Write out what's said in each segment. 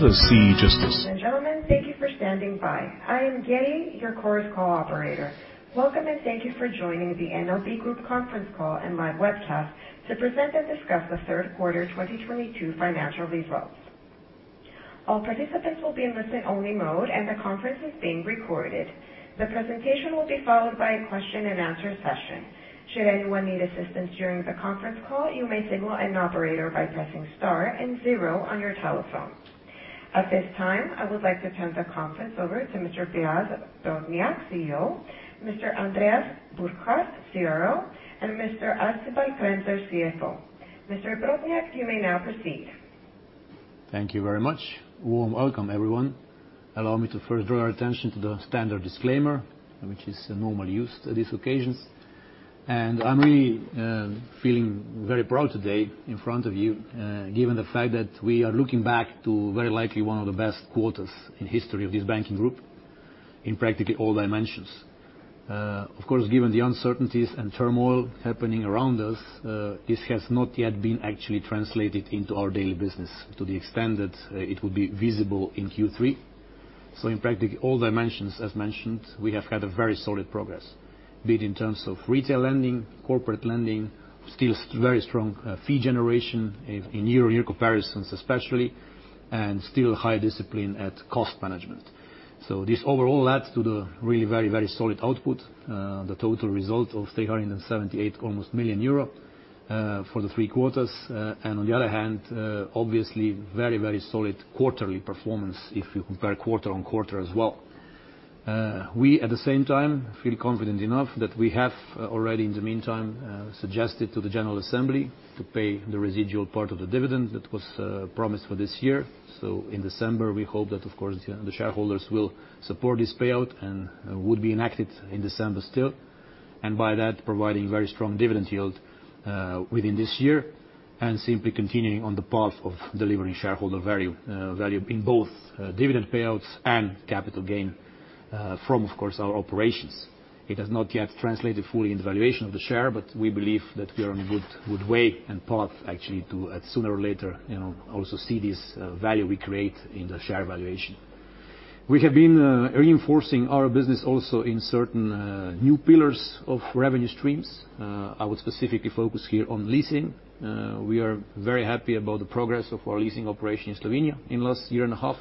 Ladies and gentlemen, thank you for standing by. I am Getty, your Chorus Call operator. Welcome, and thank you for joining the NLB Group Conference Call and Live Webcast to present and discuss the third quarter 2022 financial results. All participants will be in listen-only mode, and the conference is being recorded. The presentation will be followed by a question and answer session. Should anyone need assistance during the conference call, you may signal an operator by pressing star and zero on your telephone. At this time, I would like to turn the conference over to Mr. Blaž Brodnjak, Chief Executive Officer, Mr. Andreas Burkhardt, Chief Revenue Officer, and Mr. Archibald Kremser, Chief Financial Officer. Mr. Brodnjak, you may now proceed. Thank you very much. Warm welcome, everyone. Allow me to first draw your attention to the standard disclaimer, which is normally used at these occasions. I'm really feeling very proud today in front of you, given the fact that we are looking back to very likely one of the best quarters in history of this banking group in practically all dimensions. Of course, given the uncertainties and turmoil happening around us, this has not yet been actually translated into our daily business to the extent that it will be visible in Q3. In practically all dimensions, as mentioned, we have had a very solid progress, be it in terms of retail lending, corporate lending, still very strong fee generation in year-on-year comparisons especially, and still high discipline at cost management. This overall adds to the really very, very solid output. The total result of almost 378 million euro for the three quarters. On the other hand, obviously very, very solid quarterly performance if you compare quarter-on-quarter as well. We at the same time feel confident enough that we have already in the meantime suggested to the general assembly to pay the residual part of the dividend that was promised for this year. In December, we hope that, of course, the shareholders will support this payout and would be enacted in December still, and by that, providing very strong dividend yield within this year, and simply continuing on the path of delivering shareholder value in both dividend payouts and capital gain from, of course, our operations. It has not yet translated fully in the valuation of the share, but we believe that we are on a good way and path actually to sooner or later, you know, also see this value we create in the share valuation. We have been reinforcing our business also in certain new pillars of revenue streams. I would specifically focus here on leasing. We are very happy about the progress of our leasing operation in Slovenia in the last year and a half.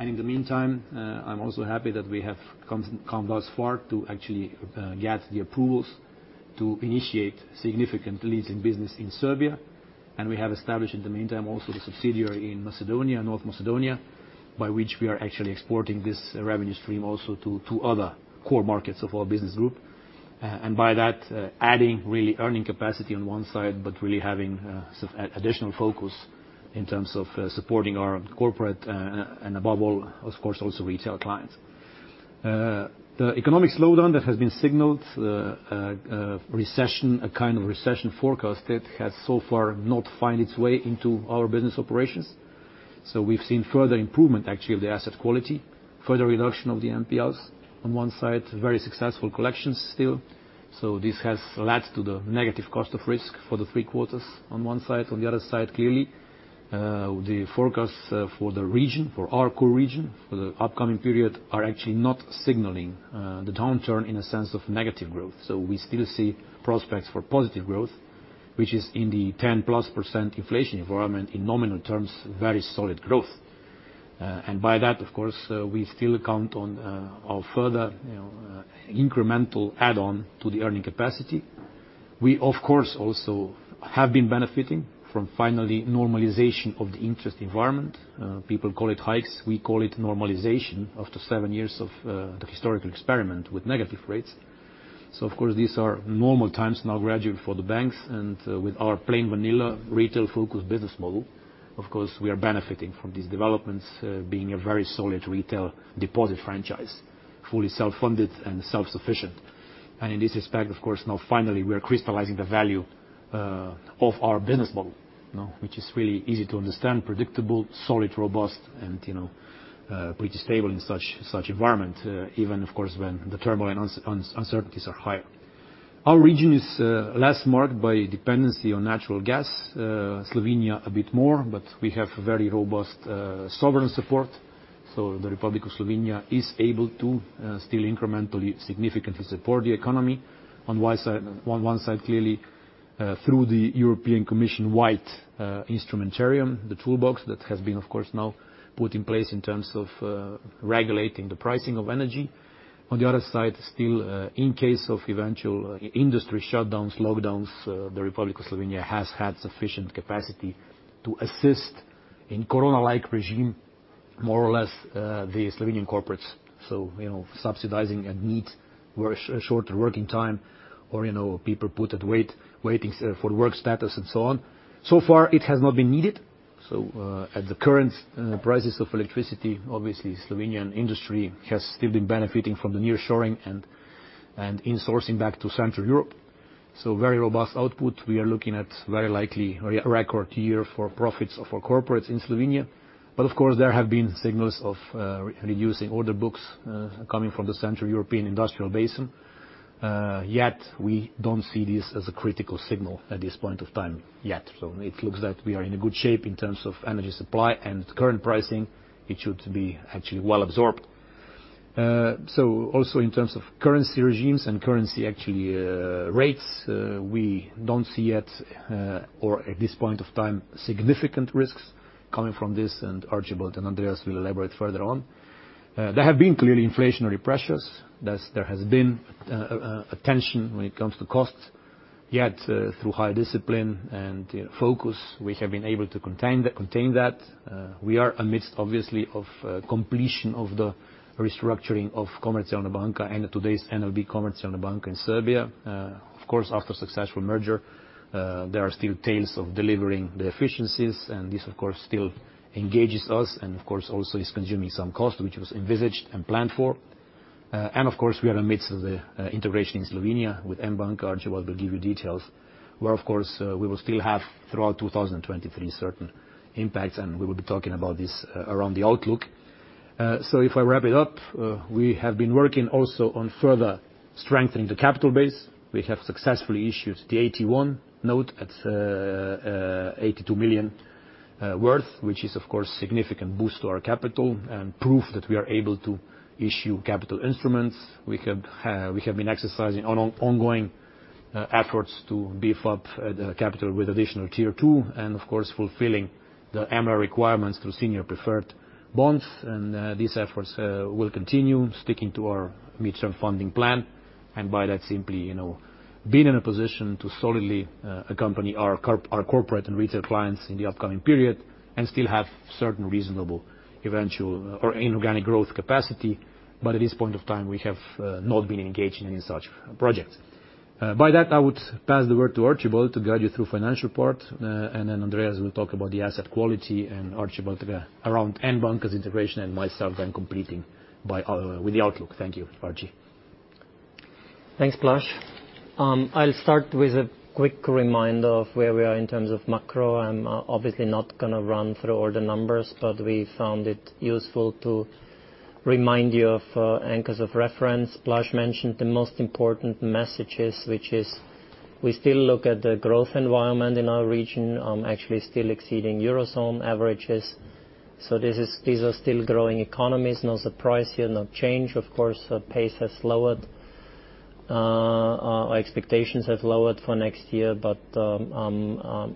In the meantime, I'm also happy that we have come thus far to actually get the approvals to initiate significant leasing business in Serbia. We have established in the meantime also the subsidiary in Macedonia, North Macedonia, by which we are actually exporting this revenue stream also to other core markets of our business group, and by that, adding really earning capacity on one side, but really having some additional focus in terms of supporting our corporate, and above all, of course, also retail clients. The economic slowdown that has been signaled, the recession, a kind of recession forecasted, has so far not found its way into our business operations. We've seen further improvement actually of the asset quality, further reduction of the NPLs on one side, very successful collections still. This has led to the negative cost of risk for the three quarters on one side. On the other side, clearly, the forecasts for the region, for our core region for the upcoming period, are actually not signaling the downturn in a sense of negative growth. We still see prospects for positive growth, which is in the 10%+ inflation environment in nominal terms, very solid growth. By that, of course, we still count on our further, you know, incremental add-on to the earning capacity. We, of course, also have been benefiting from final normalization of the interest environment. People call it hikes. We call it normalization after 7 years of the historical experiment with negative rates. Of course, these are normal times now gradually for the banks and, with our plain vanilla retail-focused business model, of course, we are benefiting from these developments, being a very solid retail deposit franchise, fully self-funded and self-sufficient. In this respect, of course, now finally we are crystallizing the value, of our business model, you know, which is really easy to understand, predictable, solid, robust and, you know, pretty stable in such environment, even of course when the turmoil and uncertainties are higher. Our region is less marked by dependency on natural gas. Slovenia a bit more, but we have very robust, sovereign support. The Republic of Slovenia is able to still incrementally, significantly support the economy. On one side, clearly, through the European Commission-wide instrumentarium, the toolbox that has been of course now put in place in terms of regulating the pricing of energy. On the other side, still, in case of eventual industry shutdowns, lockdowns, the Republic of Slovenia has had sufficient capacity to assist in corona-like regime, more or less, the Slovenian corporates. You know, subsidizing a need where shorter working time or, you know, people put at waiting for work status and so on. So far it has not been needed. At the current prices of electricity, obviously Slovenian industry has still been benefiting from the nearshoring and insourcing back to Central Europe. Very robust output. We are looking at very likely record year for profits of our corporates in Slovenia. Of course, there have been signals of reducing order books coming from the Central European industrial basin. Yet we don't see this as a critical signal at this point of time yet. It looks that we are in a good shape in terms of energy supply and current pricing, it should be actually well absorbed. Also in terms of currency regimes and currency actually rates, we don't see yet or at this point of time, significant risks coming from this, and Archibald and Andreas will elaborate further on. There have been clearly inflationary pressures, thus there has been a tension when it comes to costs, yet through high discipline and, you know, focus, we have been able to contain that. We are amidst, obviously, the completion of the restructuring of Komercijalna banka and today's NLB Komercijalna banka in Serbia. Of course, after successful merger, there are still tails of delivering the efficiencies, and this of course still engages us and of course also is consuming some cost, which was envisaged and planned for. Of course, we are amidst the integration in Slovenia with. Archibald will give you details, where of course we will still have throughout 2023 certain impacts, and we will be talking about this around the outlook. If I wrap it up, we have been working also on further strengthening the capital base. We have successfully issued the AT1 note at 82 million worth, which is of course significant boost to our capital and proof that we are able to issue capital instruments. We have been exercising ongoing efforts to beef up the capital with additional Tier 2 and of course fulfilling the MREL requirements through senior preferred bonds. These efforts will continue sticking to our midterm funding plan, and by that simply, you know, being in a position to solidly accompany our corporate and retail clients in the upcoming period and still have certain reasonable eventual or inorganic growth capacity. At this point of time, we have not been engaged in any such projects. By that I would pass the word to Archibald to guide you through financial part, and then Andreas will talk about the asset quality and Archibald around N Banka's integration and myself then completing with the outlook. Thank you. Archie. Thanks, Blaž. I'll start with a quick reminder of where we are in terms of macro. I'm obviously not gonna run through all the numbers, but we found it useful to remind you of anchors of reference. Blaž mentioned the most important messages, which is we still look at the growth environment in our region, actually still exceeding Eurozone averages. These are still growing economies, no surprise here, no change. Of course, the pace has lowered. Our expectations have lowered for next year, but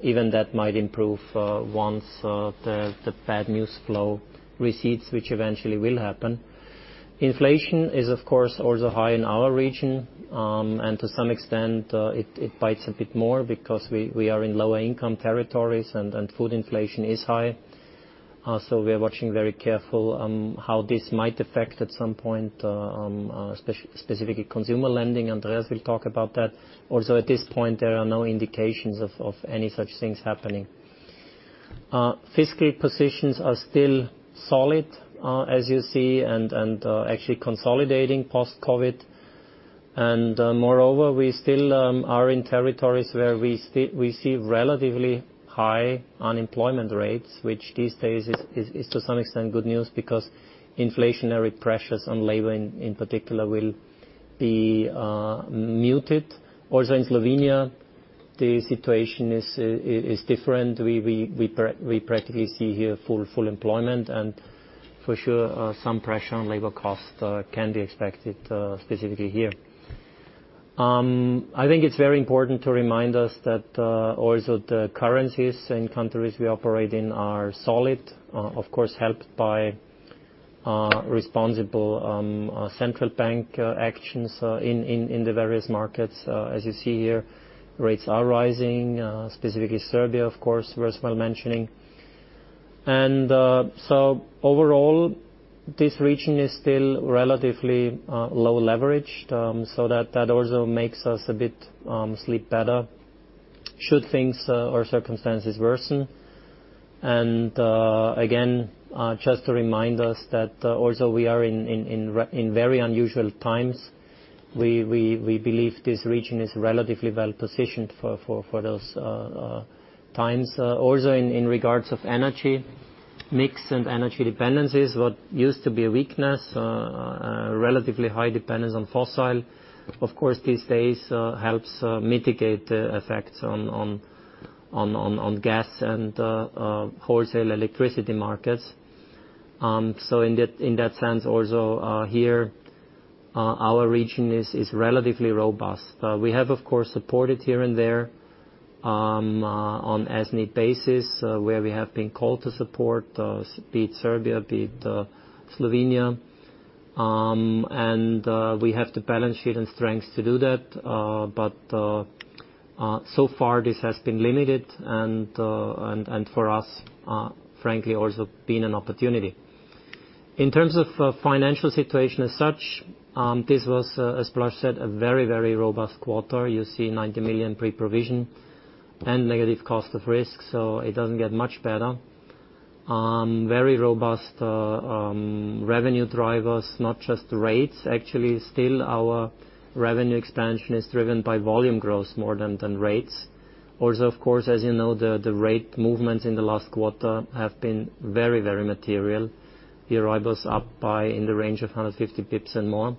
even that might improve once the bad news flow recedes, which eventually will happen. Inflation is, of course, also high in our region, and to some extent it bites a bit more because we are in lower income territories and food inflation is high. We are watching very careful on how this might affect at some point, specifically consumer lending. Andreas will talk about that. Also, at this point, there are no indications of any such things happening. Fiscal positions are still solid, as you see and actually consolidating post-COVID. Moreover, we still are in territories where we see relatively high unemployment rates, which these days is to some extent good news because inflationary pressures on labor in particular will be muted. Also in Slovenia, the situation is different. We practically see here full employment and for sure, some pressure on labor costs can be expected, specifically here. I think it's very important to remind us that also the currencies in countries we operate in are solid, of course, helped by responsible central bank actions in the various markets. As you see here, rates are rising, specifically Serbia, of course, well worth mentioning. Overall, this region is still relatively low leverage. That also makes us a bit sleep better should things or circumstances worsen. Again, just to remind us that also we are in very unusual times. We believe this region is relatively well-positioned for those times. Also in regard to energy mix and energy dependencies, what used to be a weakness, relatively high dependence on fossil, of course, these days helps mitigate the effects on gas and wholesale electricity markets. In that sense also, here our region is relatively robust. We have, of course, supported here and there on as-needed basis, where we have been called to support, be it Serbia, be it Slovenia. We have the balance sheet and strengths to do that. So far this has been limited and for us, frankly, also been an opportunity. In terms of financial situation as such, this was, as Blaž said, a very robust quarter. You see 90 million pre-provision and negative cost of risk, so it doesn't get much better. Very robust revenue drivers, not just rates. Actually, still our revenue expansion is driven by volume growth more than rates. Also, of course, as you know, the rate movements in the last quarter have been very material. The EURIBOR is up by in the range of 150 basis points and more.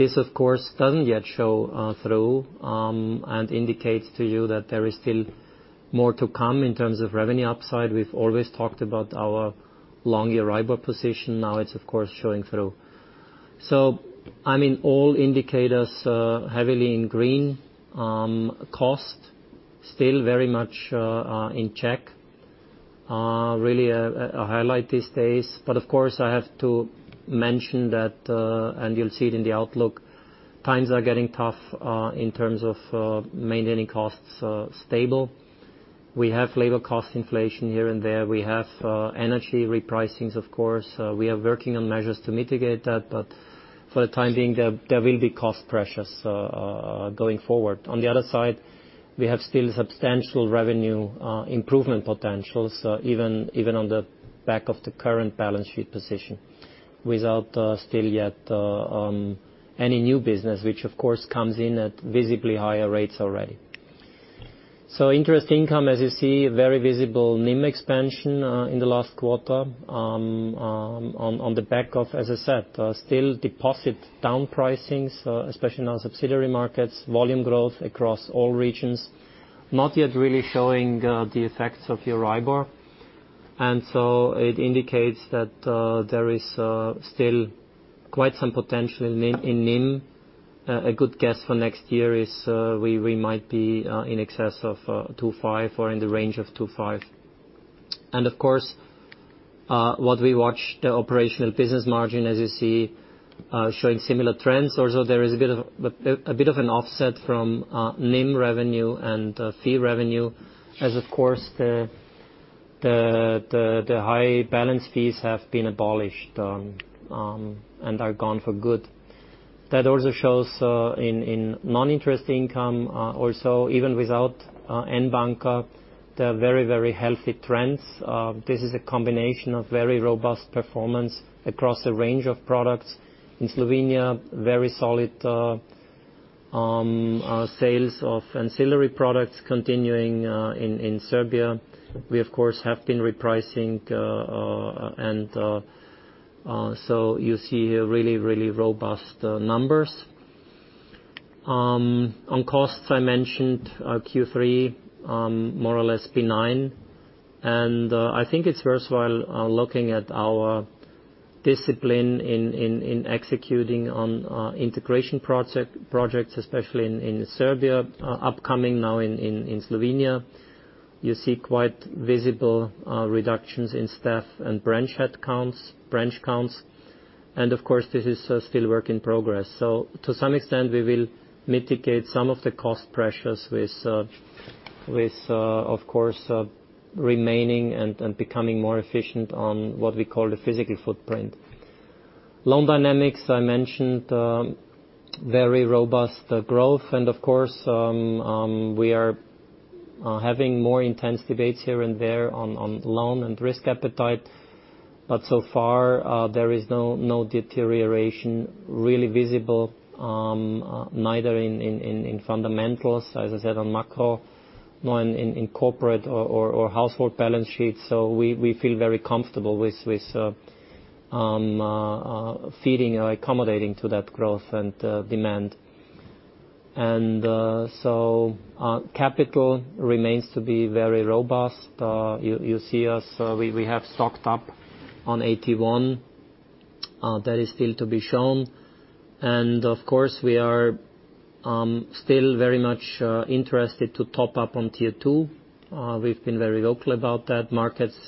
This, of course, doesn't yet show through and indicates to you that there is still more to come in terms of revenue upside. We've always talked about our long EURIBOR position. Now it's of course showing through. I mean, all indicators heavily in green. Cost still very much in check, really a highlight these days. Of course, I have to mention that, and you'll see it in the outlook, times are getting tough in terms of maintaining costs stable. We have labor cost inflation here and there. We have energy repricings, of course. We are working on measures to mitigate that, but for the time being, there will be cost pressures going forward. On the other side, we have still substantial revenue improvement potentials, even on the back of the current balance sheet position without still yet any new business, which of course comes in at visibly higher rates already. Interest income, as you see, very visible NIM expansion in the last quarter on the back of, as I said, still deposit down pricing, so especially in our subsidiary markets, volume growth across all regions, not yet really showing the effects of EURIBOR. It indicates that there is still quite some potential in NIM. A good guess for next year is we might be in excess of 2.5% or in the range of 2.5%. Of course, what we watch the operational business margin, as you see, showing similar trends. Also, there is a bit of an offset from NIM revenue and fee revenue as, of course, the high balance fees have been abolished and are gone for good. That also shows in non-interest income also even without N Banka the very healthy trends. This is a combination of very robust performance across a range of products. In Slovenia very solid sales of ancillary products continuing in Serbia. We of course have been repricing and so you see here really robust numbers. On costs I mentioned Q3 more or less benign. I think it's worthwhile looking at our discipline in executing on integration projects especially in Serbia upcoming now in Slovenia. You see quite visible reductions in staff and branch head counts branch counts. Of course this is still work in progress. To some extent, we will mitigate some of the cost pressures with, of course, remaining and becoming more efficient on what we call the physical footprint. Loan dynamics, I mentioned, very robust growth. Of course, we are having more intense debates here and there on loan and risk appetite. So far, there is no deterioration really visible, neither in fundamentals, as I said, on macro, nor in corporate or household balance sheets. We feel very comfortable with feeding or accommodating to that growth and demand. Capital remains to be very robust. You see us, we have stocked up on AT1, that is still to be shown. Of course, we are still very much interested to top up on Tier 2. We've been very vocal about that. Markets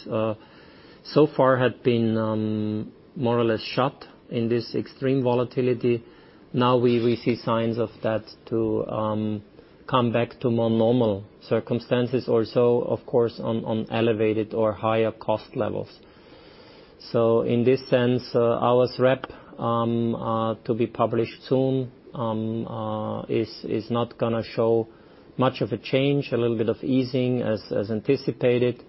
so far had been more or less shut in this extreme volatility. Now we see signs of that to come back to more normal circumstances or so, of course, on elevated or higher cost levels. In this sense, our repo to be published soon is not gonna show much of a change, a little bit of easing as anticipated.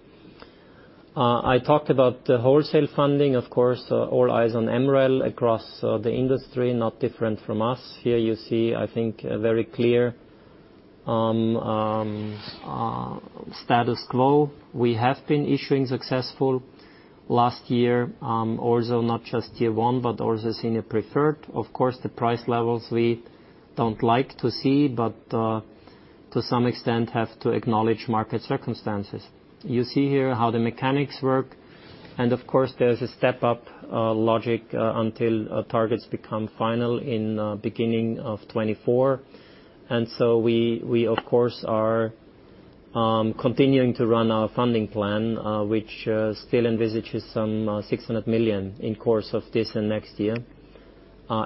I talked about the wholesale funding, of course, all eyes on MREL across the industry, not different from us. Here you see, I think, a very clear status quo. We have been issuing successfully last year, also not just Tier 1, but also senior preferred. Of course, the price levels we don't like to see, but to some extent have to acknowledge market circumstances. You see here how the mechanics work. Of course, there's a step-up logic until targets become final in beginning of 2024. We of course are continuing to run our funding plan, which still envisages some 600 million in course of this and next year,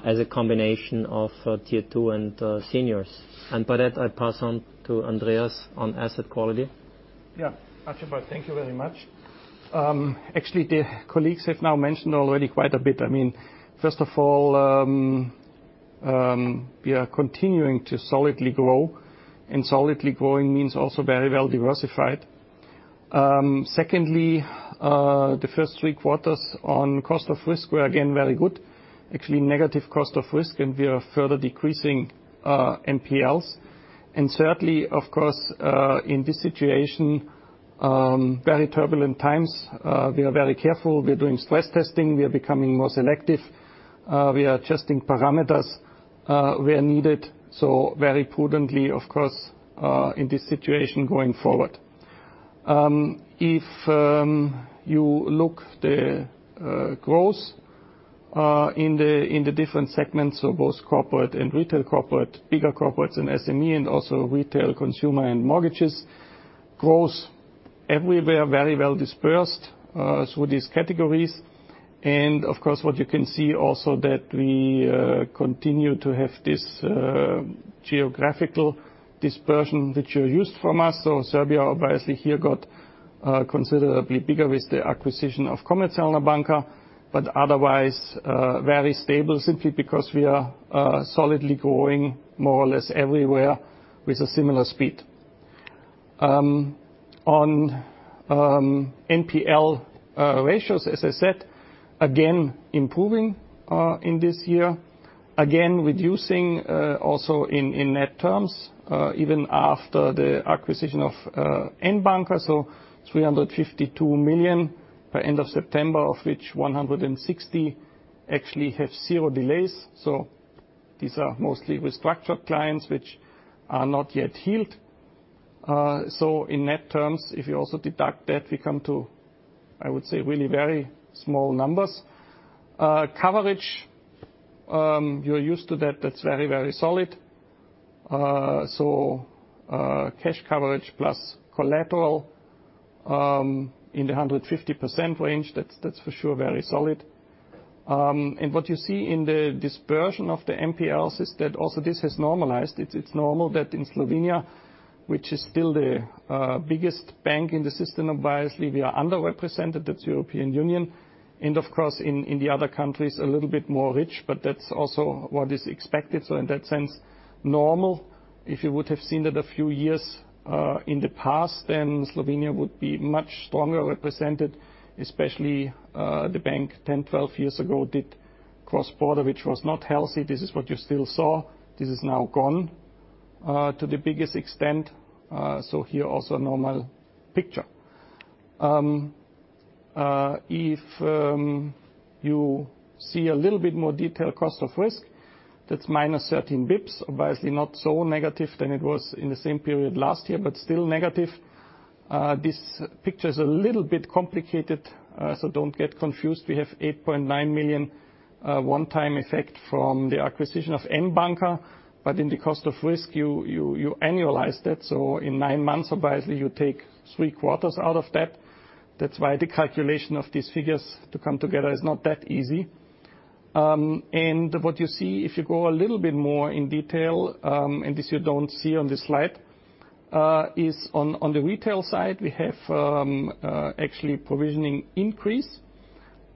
as a combination of Tier 2 and seniors. With that, I pass on to Andreas on asset quality. Yeah. Archibald, thank you very much. Actually, the colleagues have now mentioned already quite a bit. I mean, first of all, we are continuing to solidly grow, and solidly growing means also very well diversified. Secondly, the first three quarters on cost of risk were again very good. Actually, negative cost of risk, and we are further decreasing NPLs. Certainly, of course, in this situation, very turbulent times, we are very careful. We're doing stress testing. We are becoming more selective. We are adjusting parameters where needed, so very prudently, of course, in this situation going forward. If you look at the growth in the different segments of both corporate and retail corporate, bigger corporates and SME and also retail consumer and mortgages, growth everywhere very well dispersed through these categories. Of course, what you can see also that we continue to have this geographical dispersion which you're used to from us. Serbia obviously here got considerably bigger with the acquisition of Komercijalna banka, but otherwise very stable simply because we are solidly growing more or less everywhere with a similar speed. On NPL ratios, as I said, again, improving in this year. Again, reducing also in net terms even after the acquisition of N Banka, so 352 million by end of September, of which 160 million actually have zero delays. These are mostly restructured clients which are not yet healed. In net terms, if you also deduct that, we come to, I would say, really very small numbers. Coverage, you're used to that's very, very solid. Cash coverage plus collateral in the 150% range, that's for sure very solid. What you see in the dispersion of the NPLs is that also this has normalized. It's normal that in Slovenia, which is still the biggest bank in the system, obviously we are underrepresented in the European Union. Of course, in the other countries, a little bit more rich, but that's also what is expected. In that sense, normal. If you would have seen that a few years in the past, then Slovenia would be much stronger represented, especially the bank 10, 12 years ago did cross-border, which was not healthy. This is what you still saw. This is now gone to the biggest extent. Here also normal picture. If you see a little bit more detail cost of risk, that's minus 13 bps, obviously not so negative than it was in the same period last year, but still negative. This picture is a little bit complicated, so don't get confused. We have 8.9 million one-time effect from the acquisition of N Banka. In the cost of risk, you annualize that. In nine months, obviously, you take three quarters out of that. That's why the calculation of these figures to come together is not that easy. What you see, if you go a little bit more in detail, and this you don't see on this slide, is on the retail side, we have actually provisioning increase,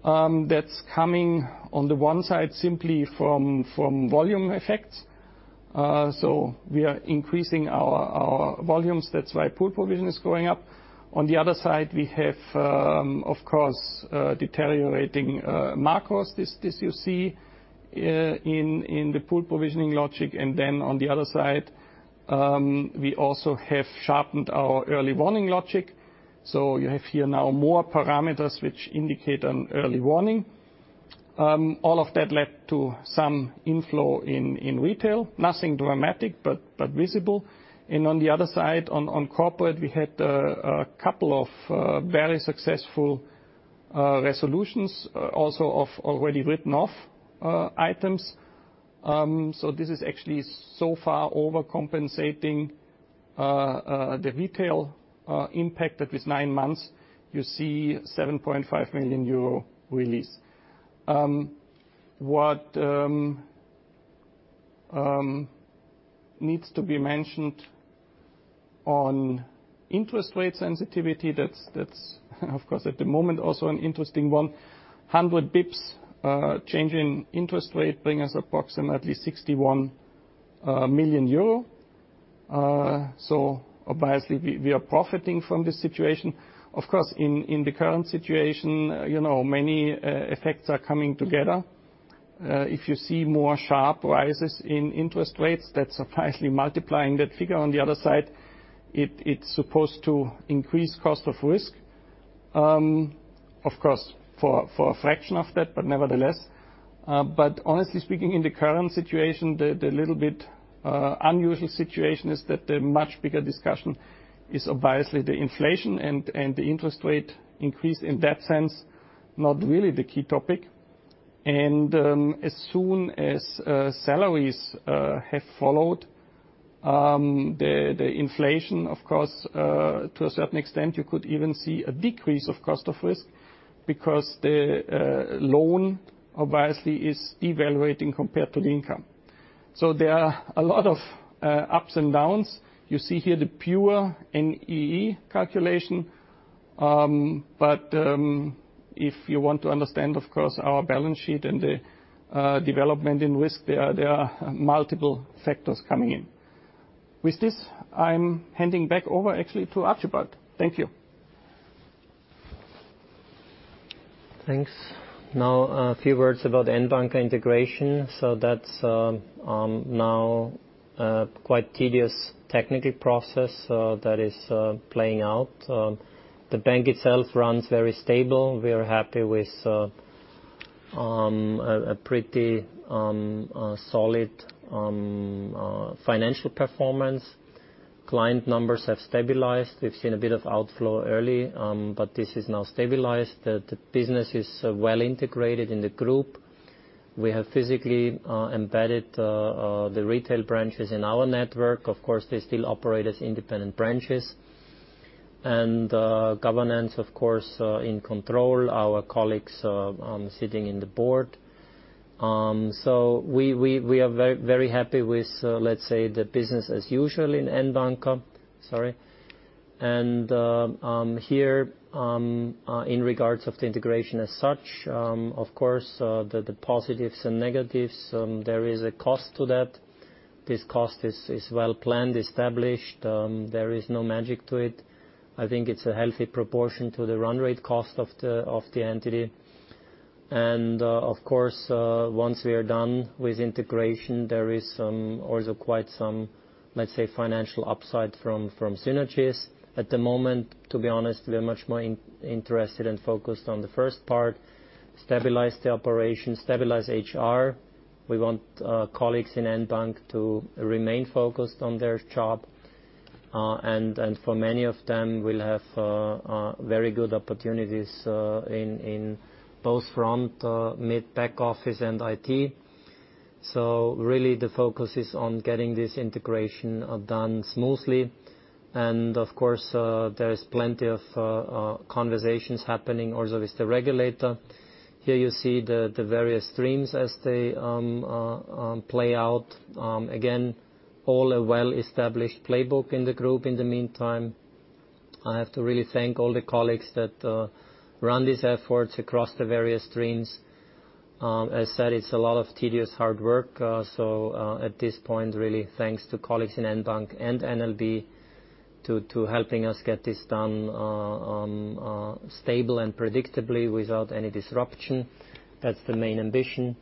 that's coming on the one side simply from volume effects. We are increasing our volumes. That's why pool provision is going up. On the other side, we have, of course, deteriorating macros. This you see in the pool provisioning logic. We also have sharpened our early warning logic. You have here now more parameters which indicate an early warning. All of that led to some inflow in retail. Nothing dramatic, but visible. On the other side, on corporate, we had a couple of very successful resolutions also of already written off items. This is actually so far overcompensating the retail impact that with nine months, you see 7.5 million euro release. Needs to be mentioned on interest rate sensitivity, that's of course at the moment also an interesting one. 100 basis points change in interest rate bring us approximately 61 million euro. Obviously we are profiting from this situation. Of course, in the current situation, you know, many effects are coming together. If you see more sharp rises in interest rates, that's surprisingly multiplying that figure. On the other side, it's supposed to increase cost of risk. Of course, for a fraction of that, but nevertheless. Honestly speaking, in the current situation, the little bit unusual situation is that the much bigger discussion is obviously the inflation and the interest rate increase in that sense, not really the key topic. As soon as salaries have followed the inflation, of course, to a certain extent, you could even see a decrease of cost of risk because the loan obviously is devaluing compared to the income. There are a lot of ups and downs. You see here the pure NII calculation. But if you want to understand, of course, our balance sheet and the Development in risk, there are multiple factors coming in. With this, I'm handing back over actually to Archibald. Thank you. Thanks. Now a few words about N Banka integration. That's now a quite tedious technical process that is playing out. The bank itself runs very stable. We are happy with a pretty solid financial performance. Client numbers have stabilized. We've seen a bit of outflow early, but this is now stabilized. The business is well integrated in the group. We have physically embedded the retail branches in our network. Of course, they still operate as independent branches. Governance, of course, in control. Our colleagues sitting in the board. We are very happy with, let's say, the business as usual in N Banka. Sorry. Here, in regards of the integration as such, of course, the positives and negatives, there is a cost to that. This cost is well planned, established. There is no magic to it. I think it's a healthy proportion to the run rate cost of the entity. Of course, once we are done with integration, there is also quite some, let's say, financial upside from synergies. At the moment, to be honest, we are much more interested and focused on the first part, stabilize the operation, stabilize HR. We want colleagues in N Banka to remain focused on their job. For many of them, we'll have very good opportunities in both front, mid, back office, and IT. Really the focus is on getting this integration done smoothly. Of course, there is plenty of conversations happening also with the regulator. Here you see the various streams as they play out. Again, all of a well-established playbook in the group in the meantime. I have to really thank all the colleagues that run these efforts across the various streams. As said, it's a lot of tedious hard work. At this point, really thanks to colleagues in N Banka and NLB to helping us get this done stable and predictably without any disruption. That's the main ambition.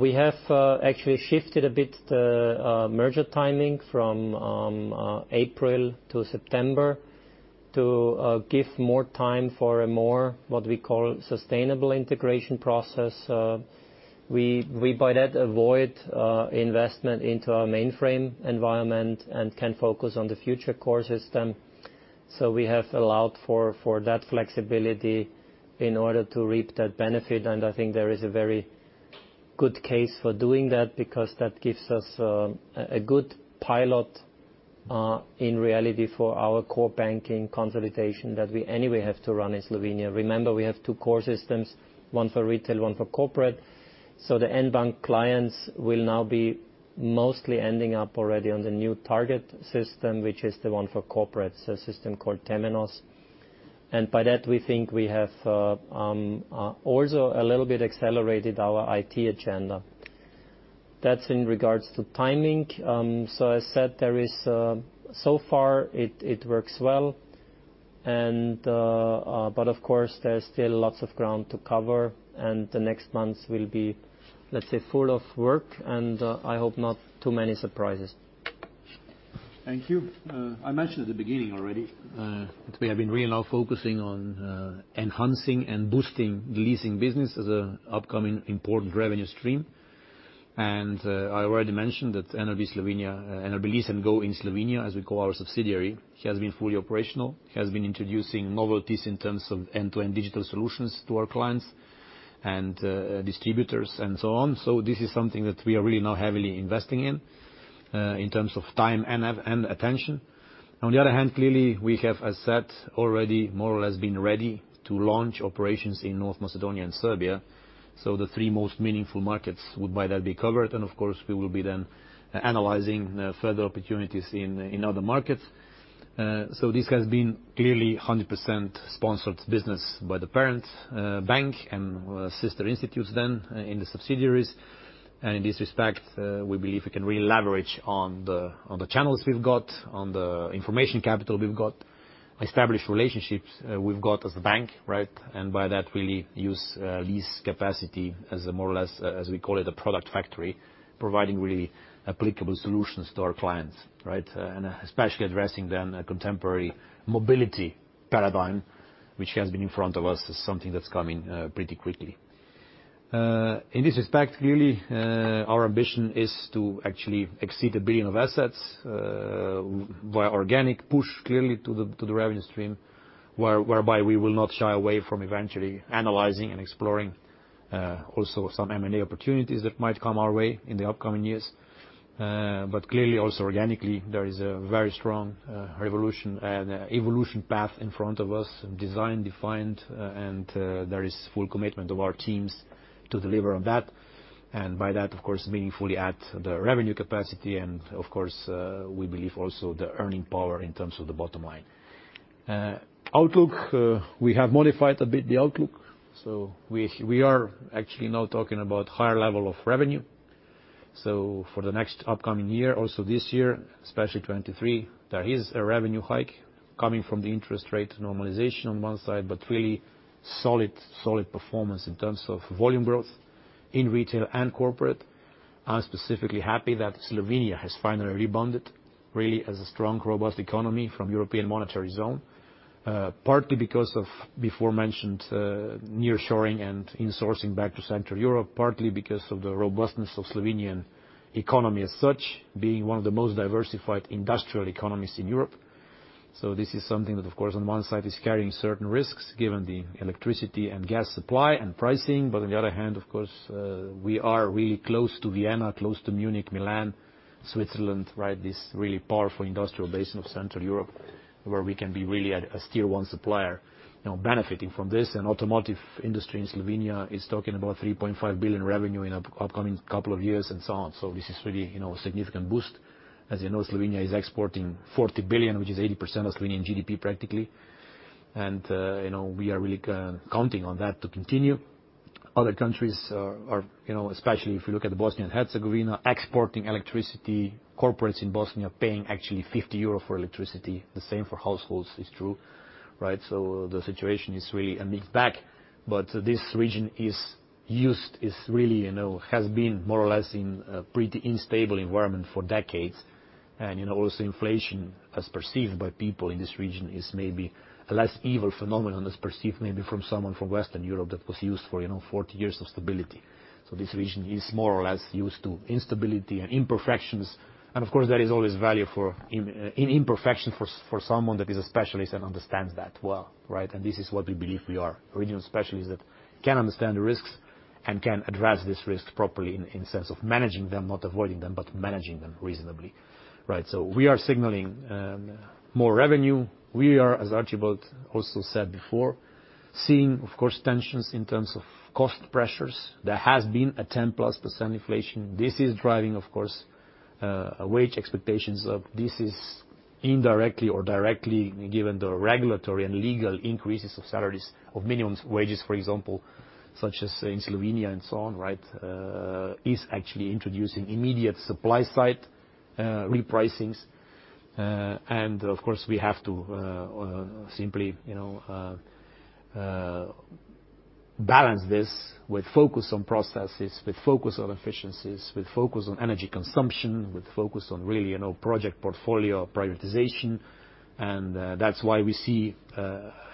We have actually shifted a bit merger timing from April to September to give more time for a more, what we call, sustainable integration process. We thereby avoid investment into our mainframe environment and can focus on the future core system. We have allowed for that flexibility in order to reap that benefit. I think there is a very good case for doing that because that gives us a good pilot in reality for our core banking consolidation that we anyway have to run in Slovenia. Remember, we have two core systems, one for retail, one for corporate. The N Banka clients will now be mostly ending up already on the new target system, which is the one for corporate, so a system called Temenos. Thereby, we think we have also a little bit accelerated our IT agenda. That's in regards to timing. As said, so far it works well. Of course, there's still lots of ground to cover, and the next months will be, let's say, full of work, and I hope not too many surprises. Thank you. I mentioned at the beginning already that we have been really now focusing on enhancing and boosting the leasing business as an upcoming important revenue stream. I already mentioned that NLB Slovenia, NLB Lease&Go in Slovenia, as we call our subsidiary, has been fully operational, has been introducing novelties in terms of end-to-end digital solutions to our clients and distributors and so on. This is something that we are really now heavily investing in in terms of time and attention. On the other hand, clearly, we have, as said, already more or less been ready to launch operations in North Macedonia and Serbia. The three most meaningful markets would by that be covered, and of course, we will be then analyzing further opportunities in other markets. This has been clearly 100% sponsored business by the parent bank and sister institutes then in the subsidiaries. In this respect, we believe we can really leverage on the channels we've got, on the information capital we've got, established relationships we've got as a bank, right? By that really use lease capacity as a more or less, as we call it, a product factory, providing really applicable solutions to our clients, right? Especially addressing then a contemporary mobility paradigm, which has been in front of us as something that's coming pretty quickly. In this respect, really, our ambition is to actually exceed 1 billion of assets via organic push clearly to the revenue stream, whereby we will not shy away from eventually analyzing and exploring also some M&A opportunities that might come our way in the upcoming years. But clearly also organically, there is a very strong revolution and evolution path in front of us, designed defined, and there is full commitment of our teams to deliver on that. By that, of course, meaningfully add the revenue capacity and of course, we believe also the earning power in terms of the bottom line. Outlook, we have modified a bit the outlook, so we are actually now talking about higher level of revenue. For the next upcoming year, also this year, especially 2023, there is a revenue hike coming from the interest rate normalization on one side, but really solid performance in terms of volume growth in retail and corporate. I'm specifically happy that Slovenia has finally rebounded really as a strong, robust economy of the eurozone. Partly because of aforementioned nearshoring and insourcing back to Central Europe, partly because of the robustness of Slovenian economy as such, being one of the most diversified industrial economies in Europe. This is something that, of course, on one side is carrying certain risks given the electricity and gas supply and pricing. But on the other hand, of course, we are really close to Vienna, close to Munich, Milan, Switzerland, right? This really powerful industrial base of Central Europe, where we can be really a tier one supplier, you know, benefiting from this. Automotive industry in Slovenia is talking about 3.5 billion revenue in upcoming couple of years and so on. This is really, you know, a significant boost. As you know, Slovenia is exporting 40 billion, which is 80% of Slovenian GDP, practically. We are really counting on that to continue. Other countries are, you know, especially if you look at the Bosnia and Herzegovina, exporting electricity, corporates in Bosnia are paying actually 50 euro for electricity. The same for households, it's true, right? The situation is really a mixed bag, but this region is used. It really, you know, has been more or less in a pretty unstable environment for decades. You know, also inflation as perceived by people in this region is maybe a less evil phenomenon as perceived maybe from someone from Western Europe that was used for, you know, 40 years of stability. This region is more or less used to instability and imperfections, and of course, there is always value for imperfection for someone that is a specialist and understands that well, right? This is what we believe we are. Regional specialists that can understand the risks and can address these risks properly in the sense of managing them, not avoiding them, but managing them reasonably, right? We are signaling more revenue. We are, as Archibald also said before, seeing, of course, tensions in terms of cost pressures. There has been 10+% inflation. This is driving, of course, wage expectations. This is indirectly or directly, given the regulatory and legal increases of salaries of minimum wages, for example, such as in Slovenia and so on, right? This is actually introducing immediate supply side repricings. Of course, we have to simply, you know, balance this with focus on processes, with focus on efficiencies, with focus on energy consumption, with focus on really, you know, project portfolio prioritization. That's why we see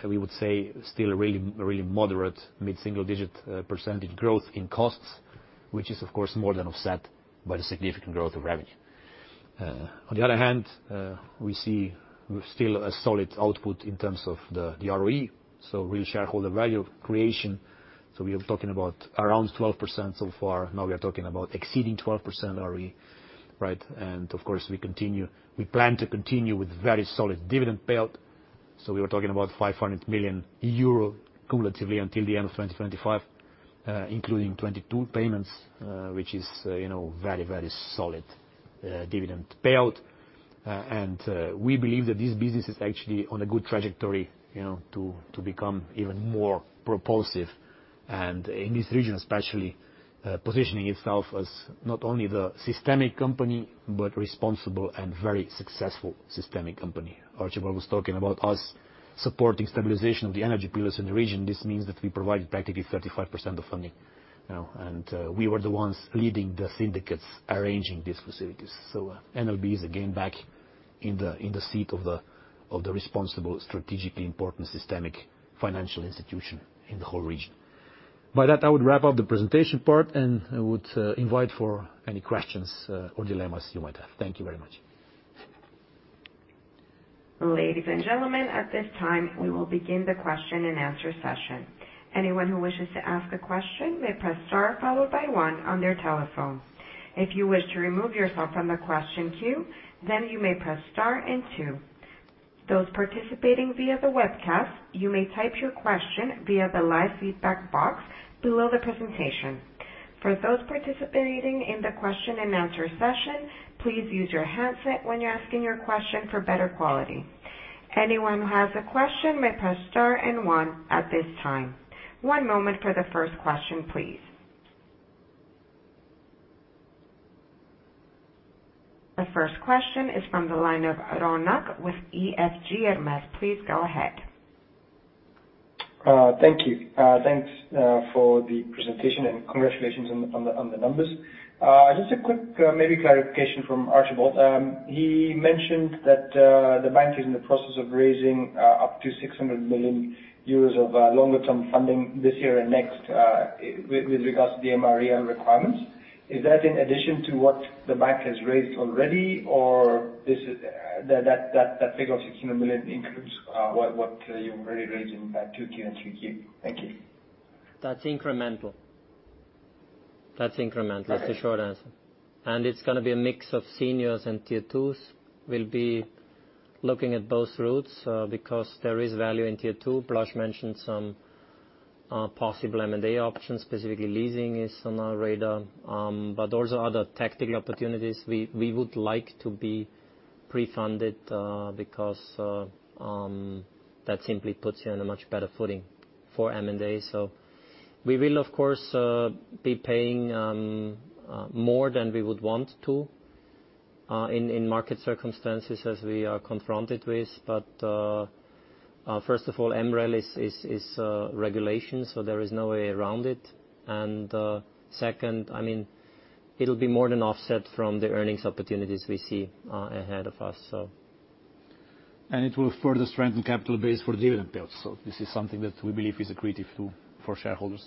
we would say still a really moderate mid-single digit percentage growth in costs, which is of course more than offset by the significant growth of revenue. On the other hand, we see still a solid output in terms of the ROE, so real shareholder value creation. We are talking about around 12% so far. Now we are talking about exceeding 12% ROE, right? Of course, we plan to continue with very solid dividend payout. We were talking about 500 million euro cumulatively until the end of 2025, including 22 payments, which is, you know, very, very solid dividend payout. We believe that this business is actually on a good trajectory, you know, to become even more propulsive. In this region especially, positioning itself as not only the systemic company, but responsible and very successful systemic company. Archibald was talking about us supporting stabilization of the energy pillars in the region. This means that we provided practically 35% of funding, you know, and we were the ones leading the syndicates arranging these facilities. NLB is again back in the seat of the responsible strategically important systemic financial institution in the whole region. By that, I would wrap up the presentation part, and I would invite for any questions or dilemmas you might have. Thank you very much. Ladies and gentlemen, at this time, we will begin the question-and-answer session. Anyone who wishes to ask a question may press star followed by one on their telephone. If you wish to remove yourself from the question queue, then you may press star and two. Those participating via the webcast, you may type your question via the live feedback box below the presentation. For those participating in the question-and-answer session, please use your handset when you're asking your question for better quality. Anyone who has a question may press star and one at this time. One moment for the first question, please. The first question is from the line of Ronak with EFG Hermes. Please go ahead. Thank you. Thanks for the presentation and congratulations on the numbers. Just a quick maybe clarification from Archibald. He mentioned that the bank is in the process of raising up to 600 million euros of longer term funding this year and next with regards to the MREL requirements. Is that in addition to what the bank has raised already or this is that figure of 600 million includes what you've already raised in 2Q and 3Q? Thank you. That's incremental is the short answer. Okay. It's gonna be a mix of seniors and Tier 2s. We'll be looking at both routes, because there is value in Tier 2. Blaž mentioned some possible M&A options, specifically leasing is on our radar. Those are other tactical opportunities. We would like to be pre-funded, because that simply puts you in a much better footing for M&A. We will of course be paying more than we would want to in market circumstances as we are confronted with. First of all, MREL is regulation, so there is no way around it. Second, I mean, it'll be more than offset from the earnings opportunities we see ahead of us. It will further strengthen capital base for dividend builds. This is something that we believe is accretive to for shareholders.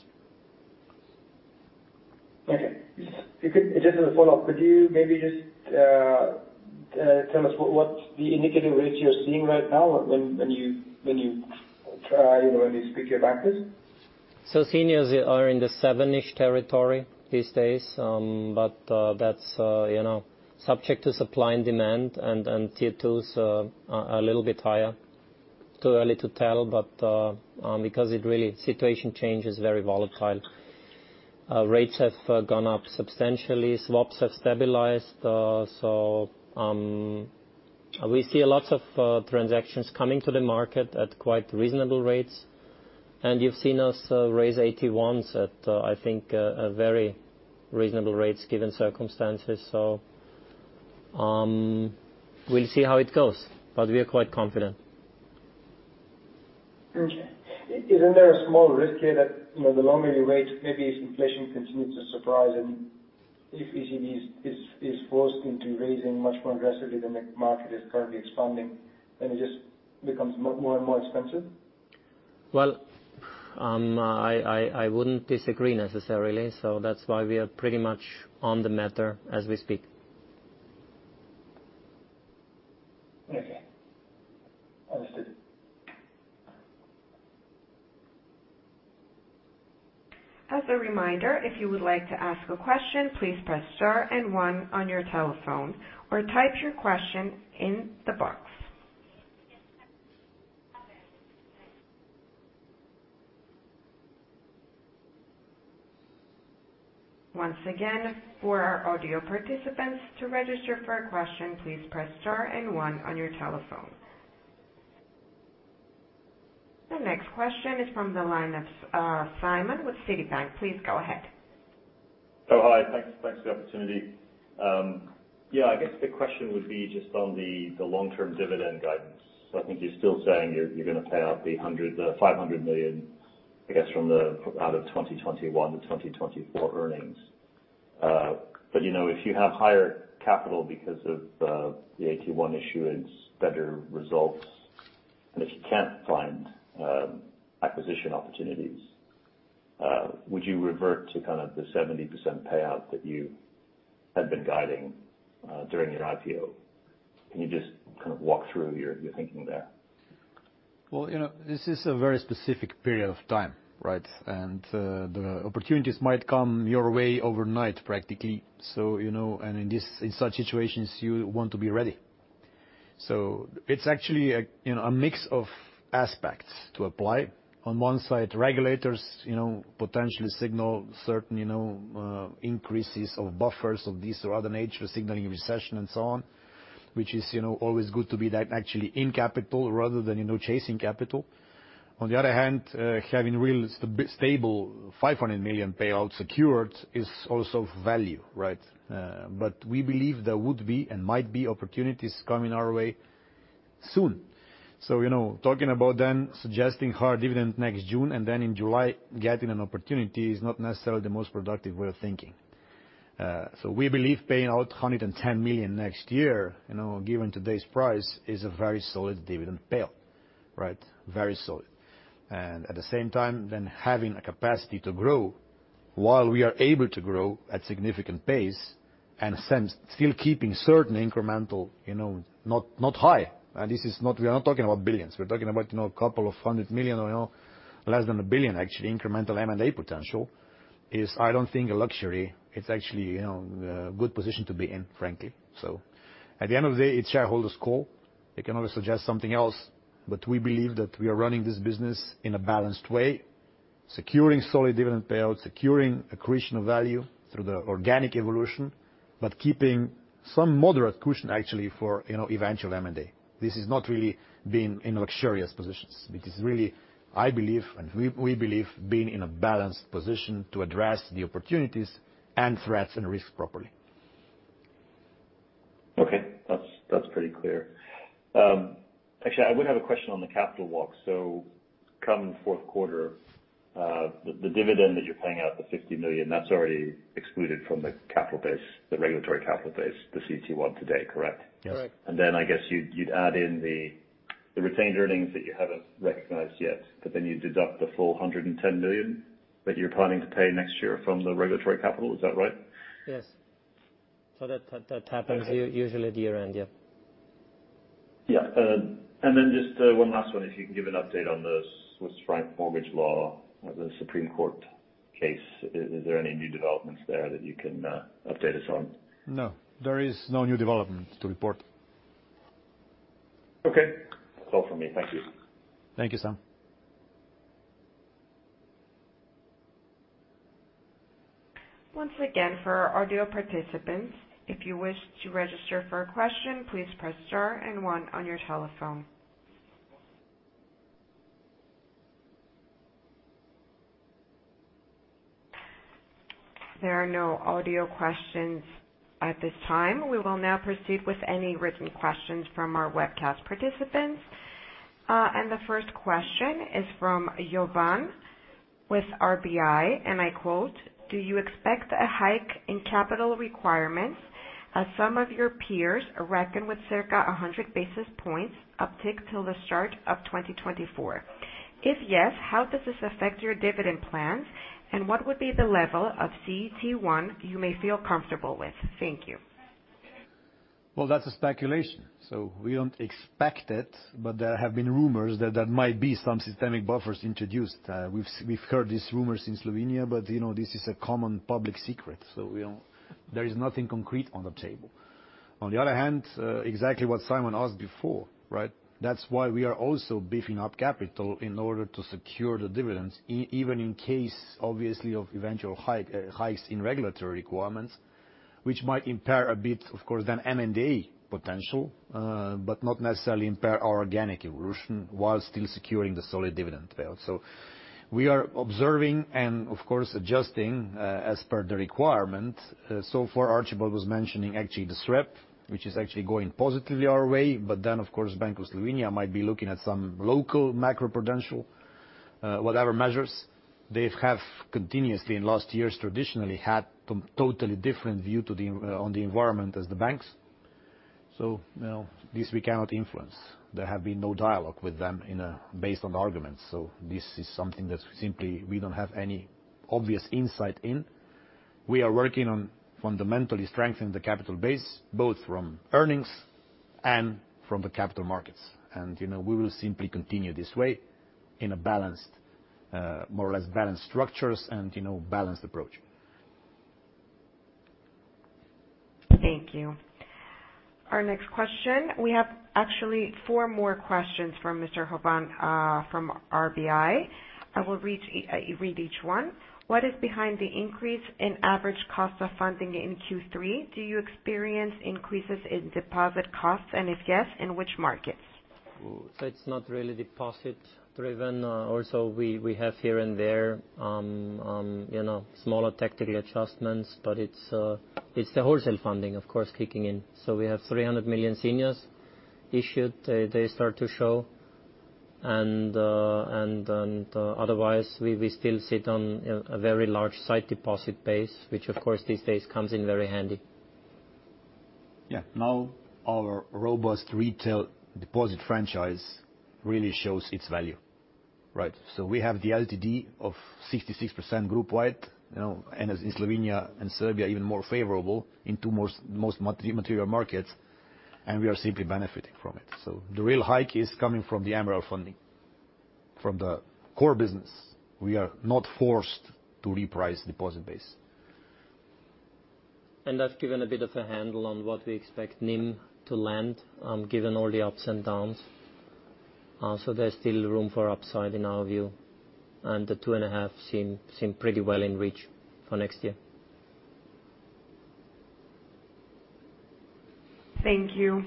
Okay. If you could, just as a follow-up, could you maybe just tell us what's the indicative rates you're seeing right now when you try, you know, when you speak to your bankers? Seniors are in the seven-ish territory these days, but that's, you know, subject to supply and demand. Tier twos are a little bit higher. Too early to tell, but because the situation change is very volatile. Rates have gone up substantially, swaps have stabilized. We see lots of transactions coming to the market at quite reasonable rates. You've seen us raise AT1s at, I think, a very reasonable rates given circumstances. We'll see how it goes, but we are quite confident. Okay. Isn't there a small risk here that, you know, the longer you wait, maybe if inflation continues to surprise and if ECB is forced into raising much more aggressively than the market is currently expecting, then it just becomes more and more expensive? Well, I wouldn't disagree necessarily, so that's why we are pretty much on the matter as we speak. Okay. Understood. As a reminder, if you would like to ask a question, please press star and one on your telephone or type your question in the box. Once again, for our audio participants, to register for a question, please press star and one on your telephone. The next question is from the line of Simon with Citi. Please go ahead. Oh, hi. Thanks for the opportunity. Yeah, I guess the question would be just on the long-term dividend guidance. I think you're still saying you're gonna pay out the 500 million, I guess, out of 2021-2024 earnings. You know, if you have higher capital because of the AT1 issuance, better results, and if you can't find acquisition opportunities, would you revert to kind of the 70% payout that you had been guiding during your IPO? Can you just kind of walk through your thinking there? Well, you know, this is a very specific period of time, right? The opportunities might come your way overnight, practically. You know, in such situations, you want to be ready. It's actually a, you know, a mix of aspects to apply. On one side, regulators, you know, potentially signal certain, you know, increases of buffers of this or other nature, signaling recession and so on, which is, you know, always good to be that actually in capital rather than, you know, chasing capital. On the other hand, having real stable 500 million payout secured is also value, right? We believe there would be and might be opportunities coming our way soon. You know, talking about then suggesting hard dividend next June and then in July getting an opportunity is not necessarily the most productive way of thinking. We believe paying out 110 million next year, you know, given today's price, is a very solid dividend payout, right? Very solid. At the same time, then having a capacity to grow while we are able to grow at significant pace and since, still keeping certain incremental, you know, not high. We are not talking about billions. We're talking about, you know, a couple of hundred million or, you know, less than a billion, actually, incremental M&A potential, is, I don't think, a luxury. It's actually, you know, a good position to be in, frankly. At the end of the day, it's shareholder's call. They can always suggest something else, but we believe that we are running this business in a balanced way, securing solid dividend payout, securing accretion of value through the organic evolution, but keeping some moderate cushion, actually, for, you know, eventual M&A. This is not really being in luxurious positions. It is really, I believe, and we believe, being in a balanced position to address the opportunities and threats and risks properly. That's pretty clear. Actually, I would have a question on the capital walk. Come fourth quarter, the dividend that you're paying out, the 50 million, that's already excluded from the capital base, the regulatory capital base, the CET1 today, correct? Yes. Correct. I guess you'd add in the retained earnings that you haven't recognized yet, but then you deduct the full 110 million that you're planning to pay next year from the regulatory capital. Is that right? Yes. That happens usually year-end, yeah. Yeah. Just one last one. If you can give an update on the Swiss franc mortgage law, the Supreme Court case. Is there any new developments there that you can update us on? No, there is no new development to report. Okay. That's all for me. Thank you. Thank you, Sam. Once again, for our audio participants, if you wish to register for a question, please press star and one on your telephone. There are no audio questions at this time. We will now proceed with any written questions from our webcast participants. The first question is from Jovan with RBI, and I quote, "Do you expect a hike in capital requirements as some of your peers reckon with circa 100 basis points uptick till the start of 2024? If yes, how does this affect your dividend plans, and what would be the level of CET1 you may feel comfortable with? Thank you. Well, that's a speculation. We don't expect it, but there have been rumors that there might be some systemic buffers introduced. We've heard these rumors in Slovenia, but, you know, this is a common public secret. There is nothing concrete on the table. On the other hand, exactly what Simon asked before, right? That's why we are also beefing up capital in order to secure the dividends even in case, obviously, of eventual hike, hikes in regulatory requirements, which might impair a bit, of course, then M&A potential, but not necessarily impair our organic evolution while still securing the solid dividend payout. We are observing and, of course, adjusting as per the requirement. So far, Archibald was mentioning actually the SREP, which is actually going positively our way. Of course, Bank of Slovenia might be looking at some local macroprudential, whatever measures. They have continuously in last years traditionally had totally different view on the environment as the banks. You know, this we cannot influence. There have been no dialogue with them based on the arguments. This is something that simply we don't have any obvious insight in. We are working on fundamentally strengthening the capital base, both from earnings and from the capital markets. You know, we will simply continue this way in a balanced, more or less balanced structures and, you know, balanced approach. Thank you. Our next question, we have actually four more questions from Mr. Jovan from RBI. I will read each one. What is behind the increase in average cost of funding in Q3? Do you experience increases in deposit costs? And if yes, in which markets? It's not really deposit driven. Also we have here and there, you know, smaller tactical adjustments, but it's the wholesale funding, of course, kicking in. We have 300 million seniors issued. They start to show. Otherwise we still sit on a very large sight deposit base, which of course these days comes in very handy. Yeah. Now our robust retail deposit franchise really shows its value, right? We have the LTD of 66% group wide, you know, and as in Slovenia and Serbia, even more favorable in two most material markets, and we are simply benefiting from it. The real hike is coming from the MREL funding. From the core business, we are not forced to reprice deposit base. That's given a bit of a handle on what we expect NIM to land, given all the ups and downs. There's still room for upside in our view. The 2.5% seem pretty well in reach for next year. Thank you.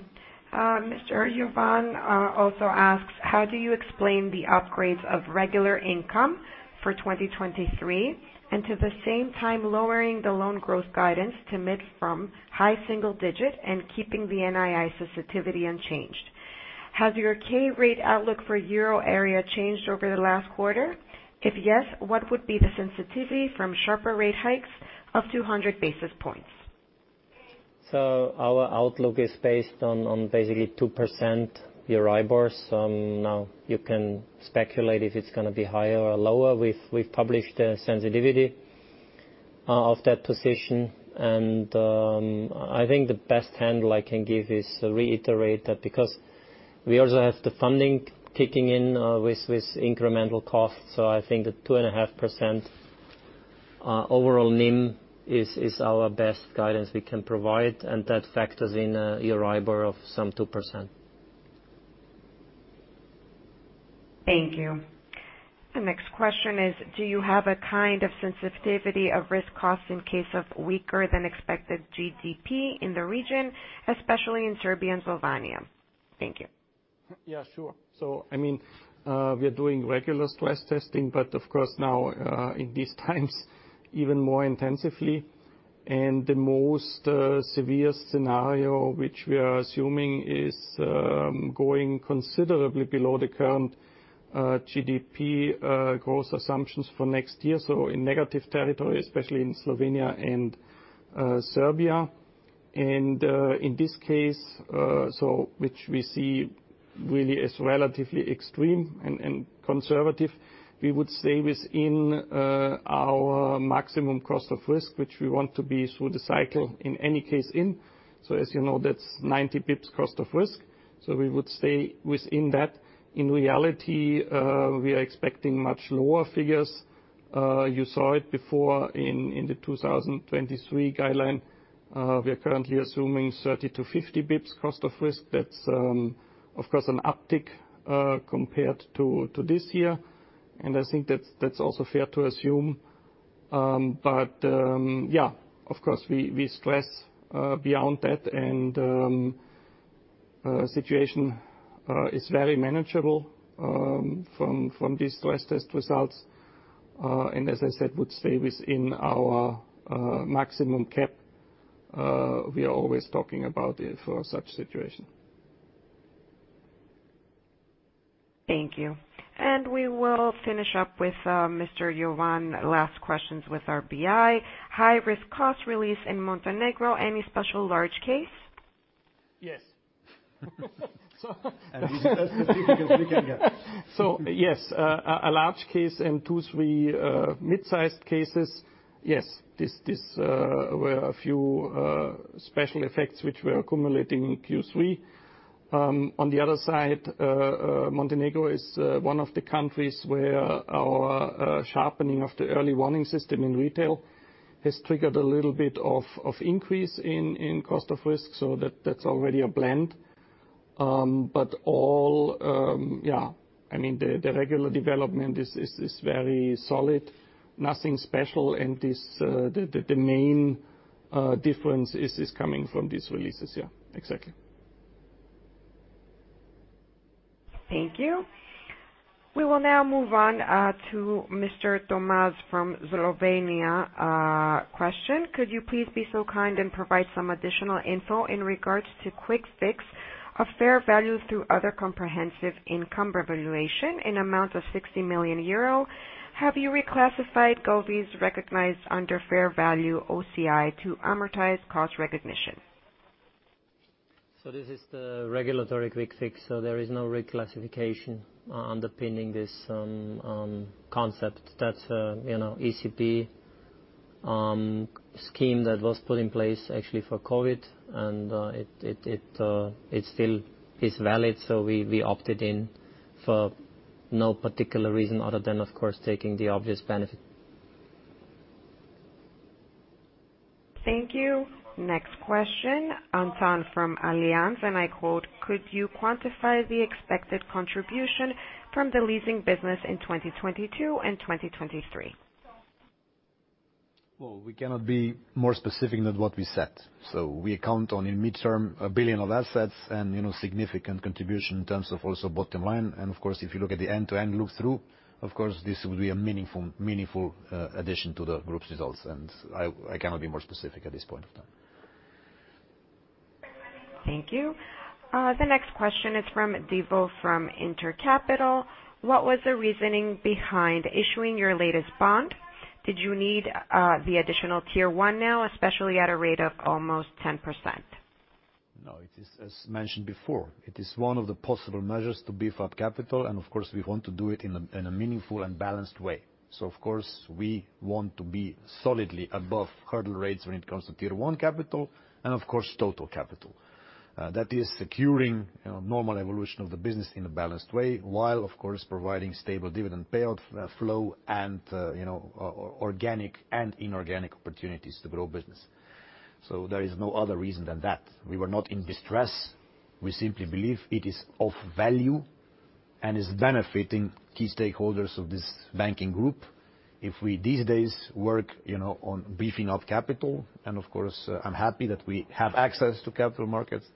Mr. Jovan also asks, how do you explain the upgrades of regular income for 2023 and at the same time lowering the loan growth guidance to mid-single-digit from high-single-digit and keeping the NII sensitivity unchanged? Has your key rate outlook for euro area changed over the last quarter? If yes, what would be the sensitivity from sharper rate hikes of 200 basis points? Our outlook is based on basically 2% Euribors. Now you can speculate if it's gonna be higher or lower. We've published the sensitivity of that position. I think the best handle I can give is reiterate that because we also have the funding kicking in with incremental costs. I think the 2.5% overall NIM is our best guidance we can provide, and that factors in Euribor of some 2%. Thank you. The next question is, do you have a kind of sensitivity of risk costs in case of weaker than expected GDP in the region, especially in Serbia and Slovenia? Thank you. Yeah, sure. I mean, we are doing regular stress testing, but of course now, in these times even more intensively. The most severe scenario which we are assuming is going considerably below the current GDP growth assumptions for next year, so in negative territory, especially in Slovenia and Serbia. In this case, which we see really as relatively extreme and conservative, we would stay within our maximum cost of risk, which we want to be through the cycle in any case. As you know, that's 90 basis points cost of risk. We would stay within that. In reality, we are expecting much lower figures. You saw it before in the 2023 guideline. We are currently assuming 30-50 basis points cost of risk. That's of course an uptick compared to this year. I think that's also fair to assume. Yeah, of course, we stress beyond that and situation is very manageable from these stress test results. As I said, would stay within our maximum cap we are always talking about it for such situation. Thank you. We will finish up with Mr. Jovan, last questions with RBI. High risk cost release in Montenegro, any special large case? Yes. Yes, a large case and two, three mid-sized cases. Yes. This were a few special effects which were accumulating in Q3. On the other side, Montenegro is one of the countries where our sharpening of the early warning system in retail has triggered a little bit of increase in cost of risk. That, that's already a blend. But all, I mean, the regular development is very solid. Nothing special and the main difference is coming from these releases. Yeah, exactly. Thank you. We will now move on to Mr. Tomaž from Slovenia. Question: could you please be so kind and provide some additional info in regards to quick fix of fair value through other comprehensive income revaluation in amount of 60 million euro? Have you reclassified govies recognized under fair value OCI to amortized cost recognition? This is the regulatory quick fix, so there is no reclassification underpinning this concept. That's, you know, ECB scheme that was put in place actually for COVID, and it still is valid. We opted in for no particular reason other than, of course, taking the obvious benefit. Thank you. Next question, Anton from Allianz, and I quote, "Could you quantify the expected contribution from the leasing business in 2022 and 2023? Well, we cannot be more specific than what we said. We count on in mid-term 1 billion of assets and, you know, significant contribution in terms of also bottom line. Of course, if you look at the end-to-end look through, of course, this will be a meaningful addition to the group's results. I cannot be more specific at this point of time. Thank you. The next question is from Dino Dürrigl from InterCapital. What was the reasoning behind issuing your latest bond? Did you need the additional Tier 1 now, especially at a rate of almost 10%? No, it is as mentioned before, it is one of the possible measures to beef up capital, and of course, we want to do it in a meaningful and balanced way. Of course, we want to be solidly above hurdle rates when it comes to Tier 1 capital and of course, total capital. That is securing, you know, normal evolution of the business in a balanced way, while of course, providing stable dividend payout flow and, you know, organic and inorganic opportunities to grow business. There is no other reason than that. We were not in distress. We simply believe it is of value and is benefiting key stakeholders of this banking group. If we these days work, you know, on beefing up capital and of course, I'm happy that we have access to capital markets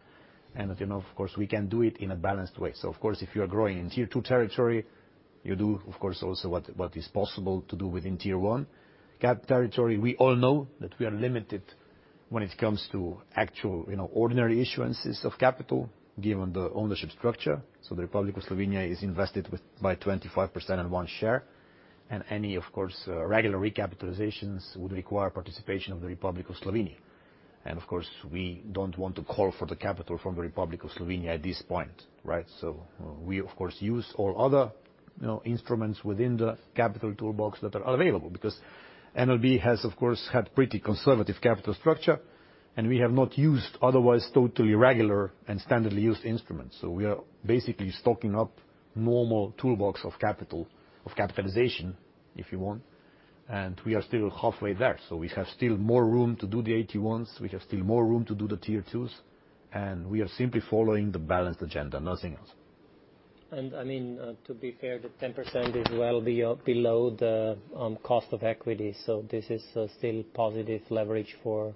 and that, you know, of course, we can do it in a balanced way. Of course, if you are growing in Tier 2 territory, you do, of course, also what is possible to do within Tier 1 capital territory. We all know that we are limited when it comes to actual, you know, ordinary issuances of capital given the ownership structure. The Republic of Slovenia is invested with by 25% and one share. Any, of course, regular recapitalizations would require participation of the Republic of Slovenia. Of course, we don't want to call for the capital from the Republic of Slovenia at this point, right? We of course use all other, you know, instruments within the capital toolbox that are available because NLB has, of course, had pretty conservative capital structure, and we have not used otherwise totally regular and standardly used instruments. We are basically stocking up normal toolbox of capital, of capitalization, if you want. We are still halfway there. We have still more room to do the AT1s. We have still more room to do the Tier 2s, and we are simply following the balanced agenda, nothing else. I mean, to be fair, the 10% is well below the cost of equity. This is still positive leverage for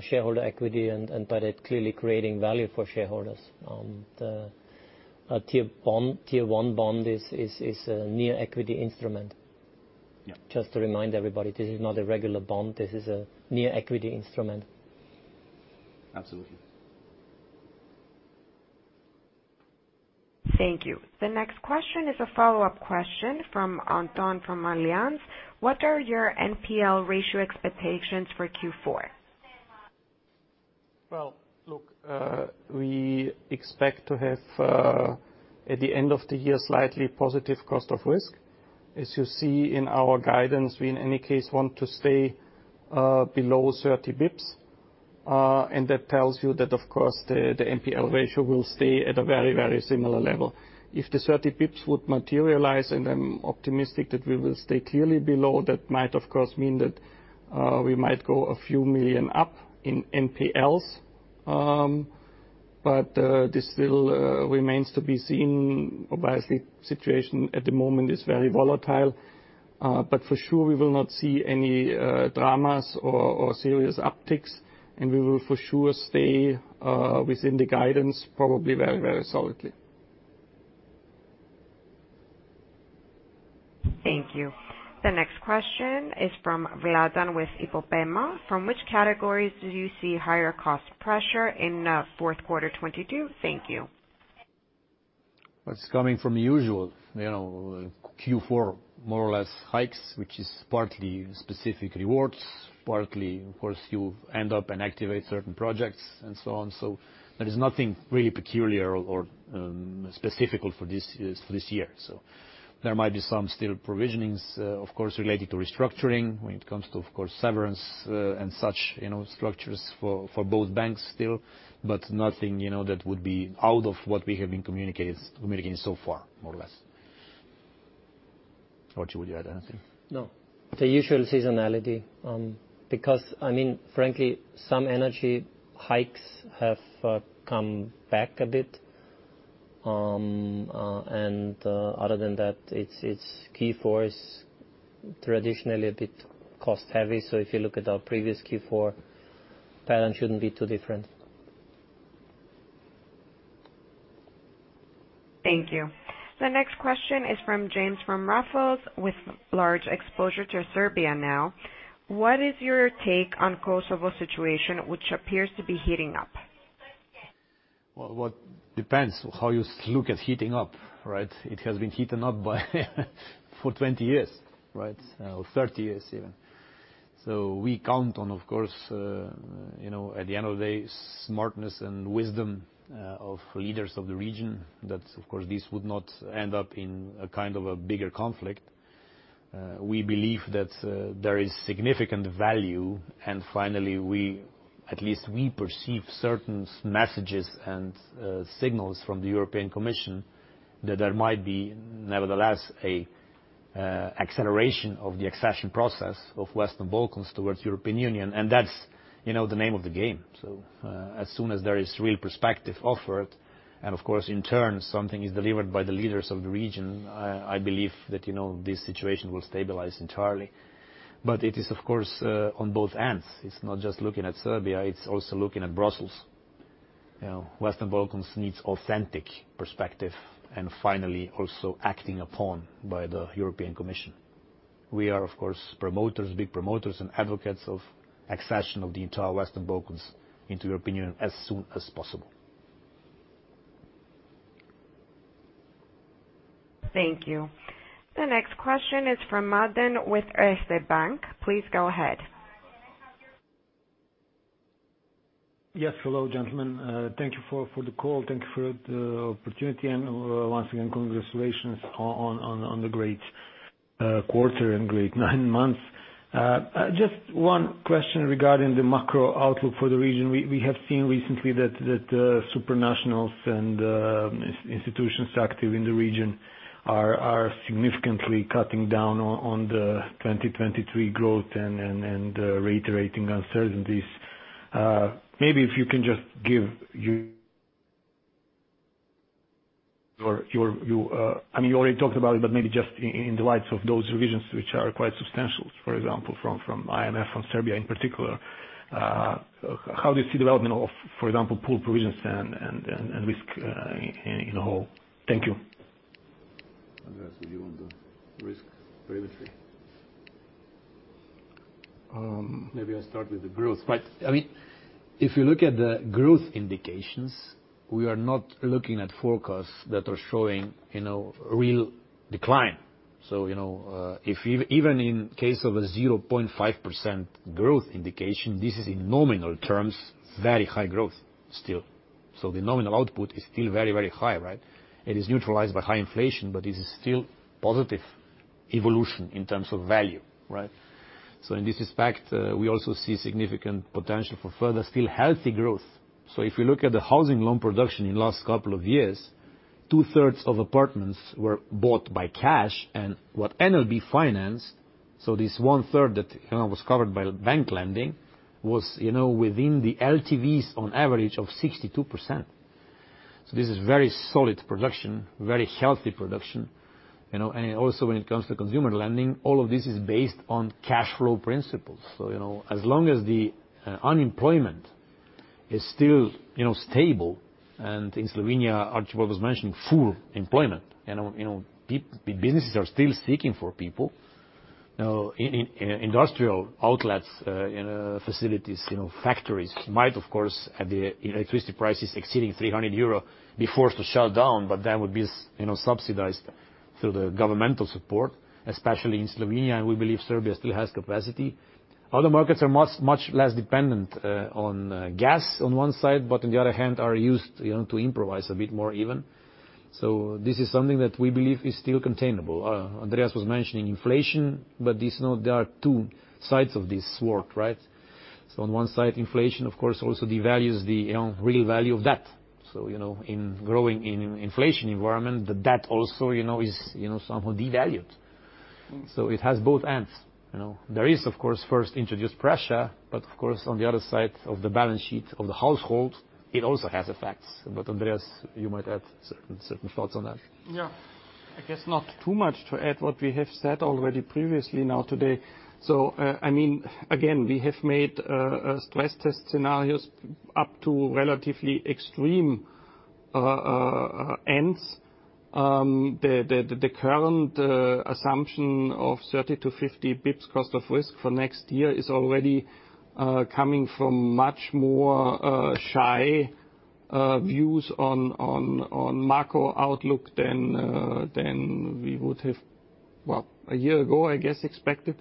shareholder equity, but it clearly creating value for shareholders. The Tier 1 bond is a near equity instrument. Yeah. Just to remind everybody, this is not a regular bond. This is a near equity instrument. Absolutely. Thank you. The next question is a follow-up question from Anton, from Allianz. What are your NPL ratio expectations for Q4? Well, look, we expect to have at the end of the year, slightly positive cost of risk. As you see in our guidance, we in any case want to stay below 30 basis points. That tells you that of course, the NPL ratio will stay at a very, very similar level. If the 30 basis points would materialize, and I'm optimistic that we will stay clearly below, that might of course mean that we might go a few million up in NPLs. This still remains to be seen. Obviously, situation at the moment is very volatile. For sure, we will not see any dramas or serious upticks, and we will for sure stay within the guidance probably very, very solidly. Thank you. The next question is from Radan with IPOPEMA. From which categories do you see higher cost pressure in, fourth quarter 2022? Thank you. It's coming from usual, you know, Q4 more or less hikes, which is partly specific rewards, partly of course, you end up and activate certain projects and so on. There is nothing really peculiar or specific for this year. There might be some still provisionings, of course, related to restructuring when it comes to, of course, severance, and such, you know, structures for both banks still. Nothing, you know, that would be out of what we have been communicated, communicating so far, more or less. Archibald, would you add anything? No. The usual seasonality, because I mean, frankly, some energy hikes have come back a bit. Other than that, it's Q4 is traditionally a bit cost heavy. If you look at our previous Q4, pattern shouldn't be too different. Thank you. The next question is from James from Raiffeisen with large exposure to Serbia now. What is your take on Kosovo situation, which appears to be heating up? Well, what depends how you look at heating up, right? It has been heating up bit by bit for 20 years, right? Or 30 years even. We count on, of course, you know, at the end of the day, smartness and wisdom of leaders of the region that of course, this would not end up in a kind of a bigger conflict. We believe that there is significant value, and finally we at least perceive certain messages and signals from the European Commission that there might be nevertheless a acceleration of the accession process of Western Balkans towards European Union, and that's, you know, the name of the game. As soon as there is real perspective offered, and of course, in turn, something is delivered by the leaders of the region, I believe that, you know, this situation will stabilize entirely. It is of course, on both ends. It's not just looking at Serbia, it's also looking at Brussels. You know, Western Balkans needs authentic perspective and finally also acting upon by the European Commission. We are, of course, promoters, big promoters and advocates of accession of the entire Western Balkans into European Union as soon as possible. Thank you. The next question is from Madan with Erste Bank. Please go ahead. Hello, gentlemen. Thank you for the call. Thank you for the opportunity, and once again, congratulations on the great quarter and great nine months. Just one question regarding the macro outlook for the region. We have seen recently that supranationals and institutions active in the region are significantly cutting down on the 2023 growth and reiterating uncertainties. Maybe if you can just give your, I mean, you already talked about it, but maybe just in the light of those revisions, which are quite substantial. For example, from IMF, from Serbia in particular, how do you see development of, for example, more provisions and risk in whole? Thank you. Andreas Burkhardt, did you want the risk trajectory? Um- Maybe I start with the growth. I mean, if you look at the growth indications, we are not looking at forecasts that are showing, you know, real decline. You know, if even in case of a 0.5% growth indication, this is in nominal terms, very high growth still. The nominal output is still very, very high, right? It is neutralized by high inflation, but it is still positive evolution in terms of value, right? In this respect, we also see significant potential for further still healthy growth. If you look at the housing loan production in last couple of years, 2/3 of apartments were bought by cash and what NLB financed, so this 1/3 that, you know, was covered by bank lending was, you know, within the LTVs on average of 62%. This is very solid production, very healthy production, you know. Also when it comes to consumer lending, all of this is based on cash flow principles. You know, as long as the unemployment is still, you know, stable and in Slovenia, Archibald was mentioning full employment, you know, businesses are still seeking for people. You know, in industrial outlets, in facilities, you know, factories might of course have the electricity prices exceeding 300 euro and be forced to shut down, but that would be you know, subsidized through the governmental support, especially in Slovenia, and we believe Serbia still has capacity. Other markets are much, much less dependent on gas on one side, but on the other hand, are used, you know, to improvise a bit more even. This is something that we believe is still containable. Andreas was mentioning inflation, but no, there are two sides of this coin, right? On one side, inflation of course also devalues the, you know, real value of debt. You know, in growing inflation environment, the debt also, you know, somehow devalued. It has both sides, you know? There is, of course, interest rate pressure, but of course, on the other side of the balance sheet of the household, it also has effects. Andreas, you might add certain thoughts on that. Yeah. I guess not too much to add what we have said already previously, now today. I mean, again, we have made a stress test scenarios up to relatively extreme ends. The current assumption of 30-50 basis points cost of risk for next year is already coming from much more shy views on macro outlook than we would have, well, a year ago, I guess, expected.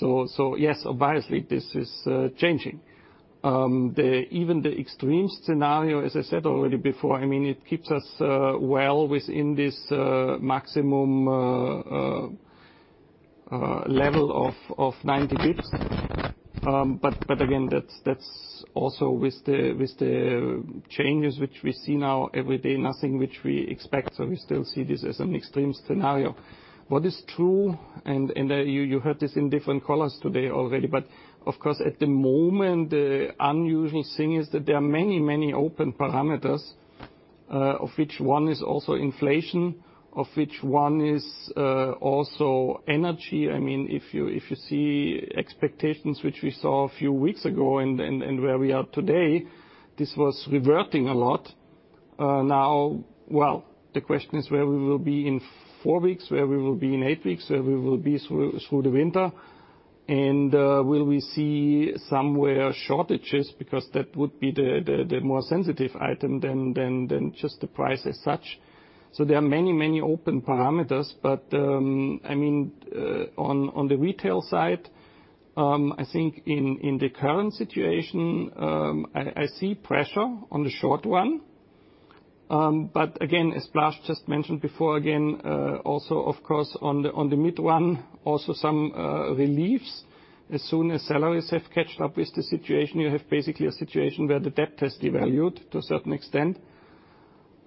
Yes, obviously this is changing. Even the extreme scenario, as I said already before, I mean, it keeps us well within this maximum level of 90 basis points. Again, that's also with the changes which we see now every day, nothing which we expect, so we still see this as an extreme scenario. What is true, you heard this in different colors today already, but of course, at the moment, the unusual thing is that there are many open parameters, of which one is also inflation, of which one is also energy. I mean, if you see expectations, which we saw a few weeks ago and where we are today, this was reverting a lot. Now, well, the question is where we will be in four weeks, where we will be in eight weeks, where we will be through the winter, and will we see somewhere shortages because that would be the more sensitive item than just the price as such. There are many open parameters, but I mean, on the retail side, I see pressure on the short one. But again, as Blaž just mentioned before, again also of course, on the mid one, also some reliefs. As soon as salaries have caught up with the situation, you have basically a situation where the debt has devalued to a certain extent.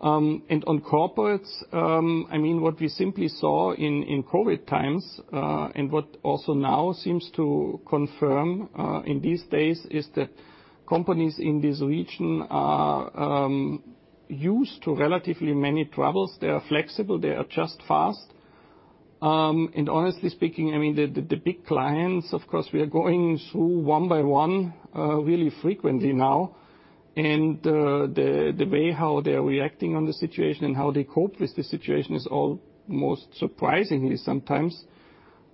On corporates, I mean, what we simply saw in COVID times, and what also now seems to confirm in these days, is that companies in this region are used to relatively many troubles. They are flexible, they adjust fast. Honestly speaking, I mean, the big clients, of course, we are going through one by one, really frequently now. The way how they are reacting on the situation and how they cope with the situation is almost surprisingly sometimes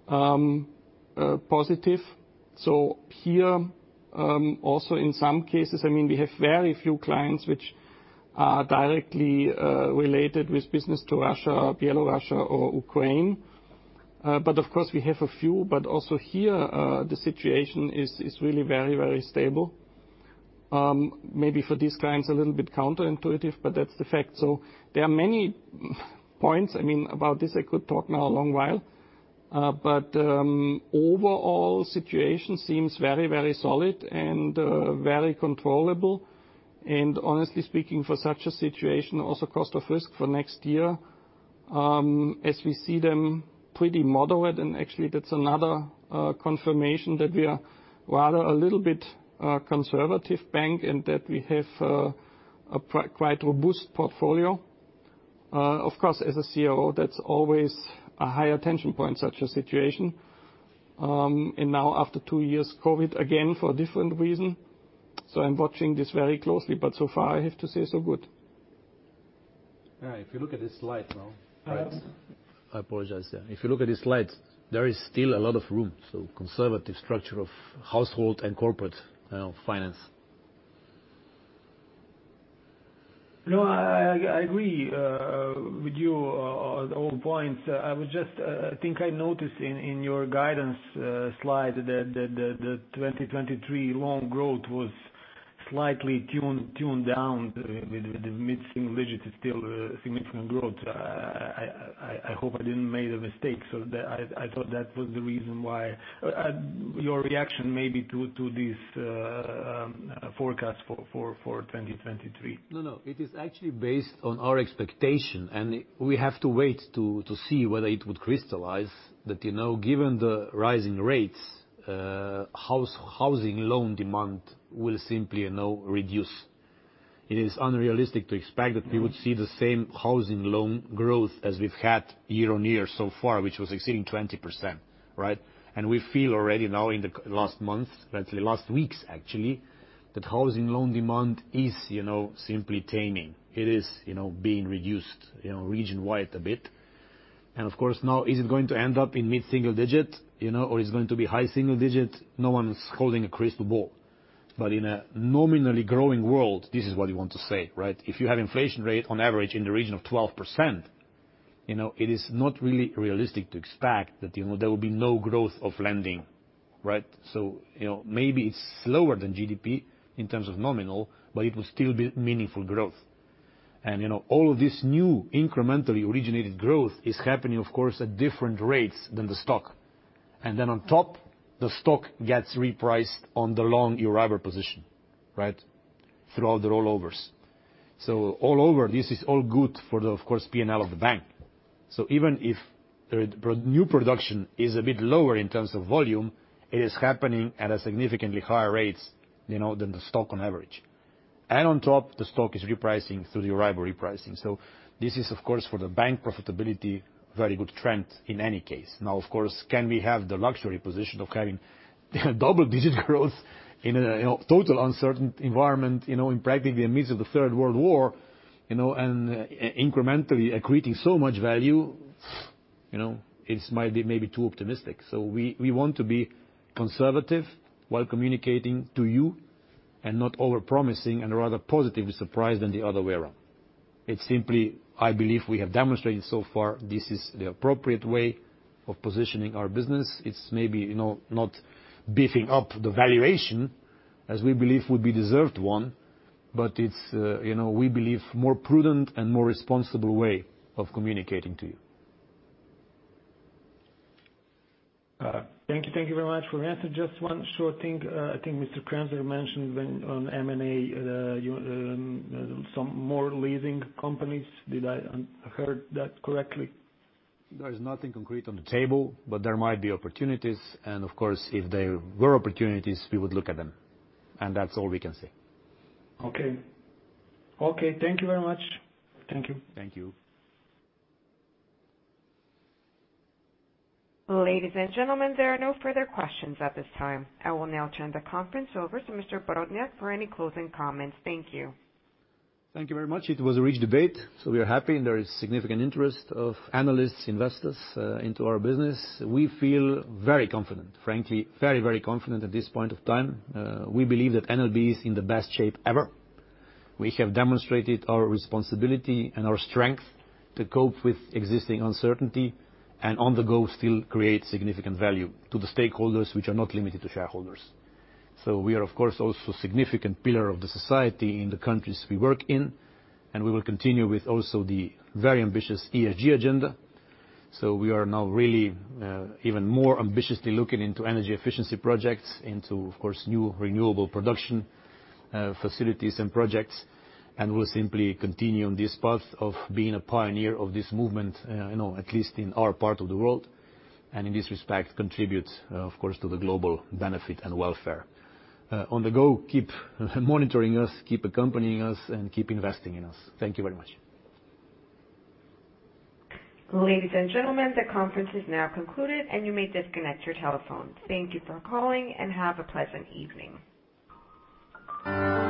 positive. Here, also in some cases, I mean, we have very few clients which are directly related with business to Russia or Belarus or Ukraine. Of course we have a few, but also here, the situation is really very, very stable. Maybe for these clients, a little bit counterintuitive, but that's the fact. There are many points, I mean, about this I could talk now a long while. Overall situation seems very, very solid and very controllable. Honestly speaking, for such a situation, also cost of risk for next year, as we see them pretty moderate, and actually that's another confirmation that we are rather a little bit conservative bank and that we have a quite robust portfolio. Of course, as a CRO, that's always a high attention point, such a situation. Now after two years COVID, again, for a different reason. I'm watching this very closely, but so far I have to say, so good. Yeah, if you look at this slide now. Yes. I apologize, yeah. If you look at this slide, there is still a lot of room. Conservative structure of household and corporate finance. No, I agree with you on all points. I would just think I noticed in your guidance slide that the 2023 loan growth was slightly tuned down with the mid-single digits, still significant growth. I hope I didn't make a mistake. I thought that was the reason why your reaction maybe to this forecast for 2023. No, no, it is actually based on our expectation, and we have to wait to see whether it would crystallize that, you know, given the rising rates, housing loan demand will simply, you know, reduce. It is unrealistic to expect that we would see the same housing loan growth as we've had year-on-year so far, which was exceeding 20%, right? We feel already now in the last month, the last weeks actually, that housing loan demand is, you know, simply taming. It is, you know, being reduced, you know, region-wide a bit. Of course now, is it going to end up in mid-single-digit%, you know, or is it going to be high single-digit%? No one's holding a crystal ball. In a nominally growing world, this is what you want to say, right? If you have inflation rate on average in the region of 12%, you know, it is not really realistic to expect that, you know, there will be no growth of lending, right? You know, maybe it's slower than GDP in terms of nominal, but it will still be meaningful growth. You know, all of this new incrementally originated growth is happening, of course, at different rates than the stock. On top, the stock gets repriced on the long variable position, right? Throughout the rollovers. All over, this is all good for the, of course, P&L of the bank. Even if the new production is a bit lower in terms of volume, it is happening at a significantly higher rates, you know, than the stock on average. On top, the stock is repricing through the variable repricing. This is, of course, for the bank profitability, very good trend in any case. Now, of course, can we have the luxury position of having double-digit growth in a, you know, total uncertain environment, you know, in practically in the midst of the Third World War, you know, and incrementally accreting so much value, you know, it's might be maybe too optimistic. We want to be conservative while communicating to you and not over-promising and rather positively surprised than the other way around. It's simply, I believe we have demonstrated so far this is the appropriate way of positioning our business. It's maybe, you know, not beefing up the valuation as we believe would be deserved one, but it's, you know, we believe more prudent and more responsible way of communicating to you. Thank you. Thank you very much for answering. Just one short thing. I think Mr. Kremser, you mentioned when on M&A, you, some more leasing companies. Did I heard that correctly? There is nothing concrete on the table, but there might be opportunities. Of course, if there were opportunities, we would look at them. That's all we can say. Okay, thank you very much. Thank you. Thank you. Ladies and gentlemen, there are no further questions at this time. I will now turn the conference over to Mr. Brodnjak for any closing comments. Thank you. Thank you very much. It was a rich debate, so we are happy and there is significant interest of analysts, investors, into our business. We feel very confident, frankly, very, very confident at this point of time. We believe that NLB is in the best shape ever. We have demonstrated our responsibility and our strength to cope with existing uncertainty, and on the go, still create significant value to the stakeholders, which are not limited to shareholders. We are, of course, also significant pillar of the society in the countries we work in, and we will continue with also the very ambitious ESG agenda. We are now really, even more ambitiously looking into energy efficiency projects, into, of course, new renewable production, facilities and projects, and we'll simply continue on this path of being a pioneer of this movement, you know, at least in our part of the world, and in this respect, contribute, of course, to the global benefit and welfare. On the go, keep monitoring us, keep accompanying us, and keep investing in us. Thank you very much. Ladies and gentlemen, the conference is now concluded and you may disconnect your telephone. Thank you for calling and have a pleasant evening.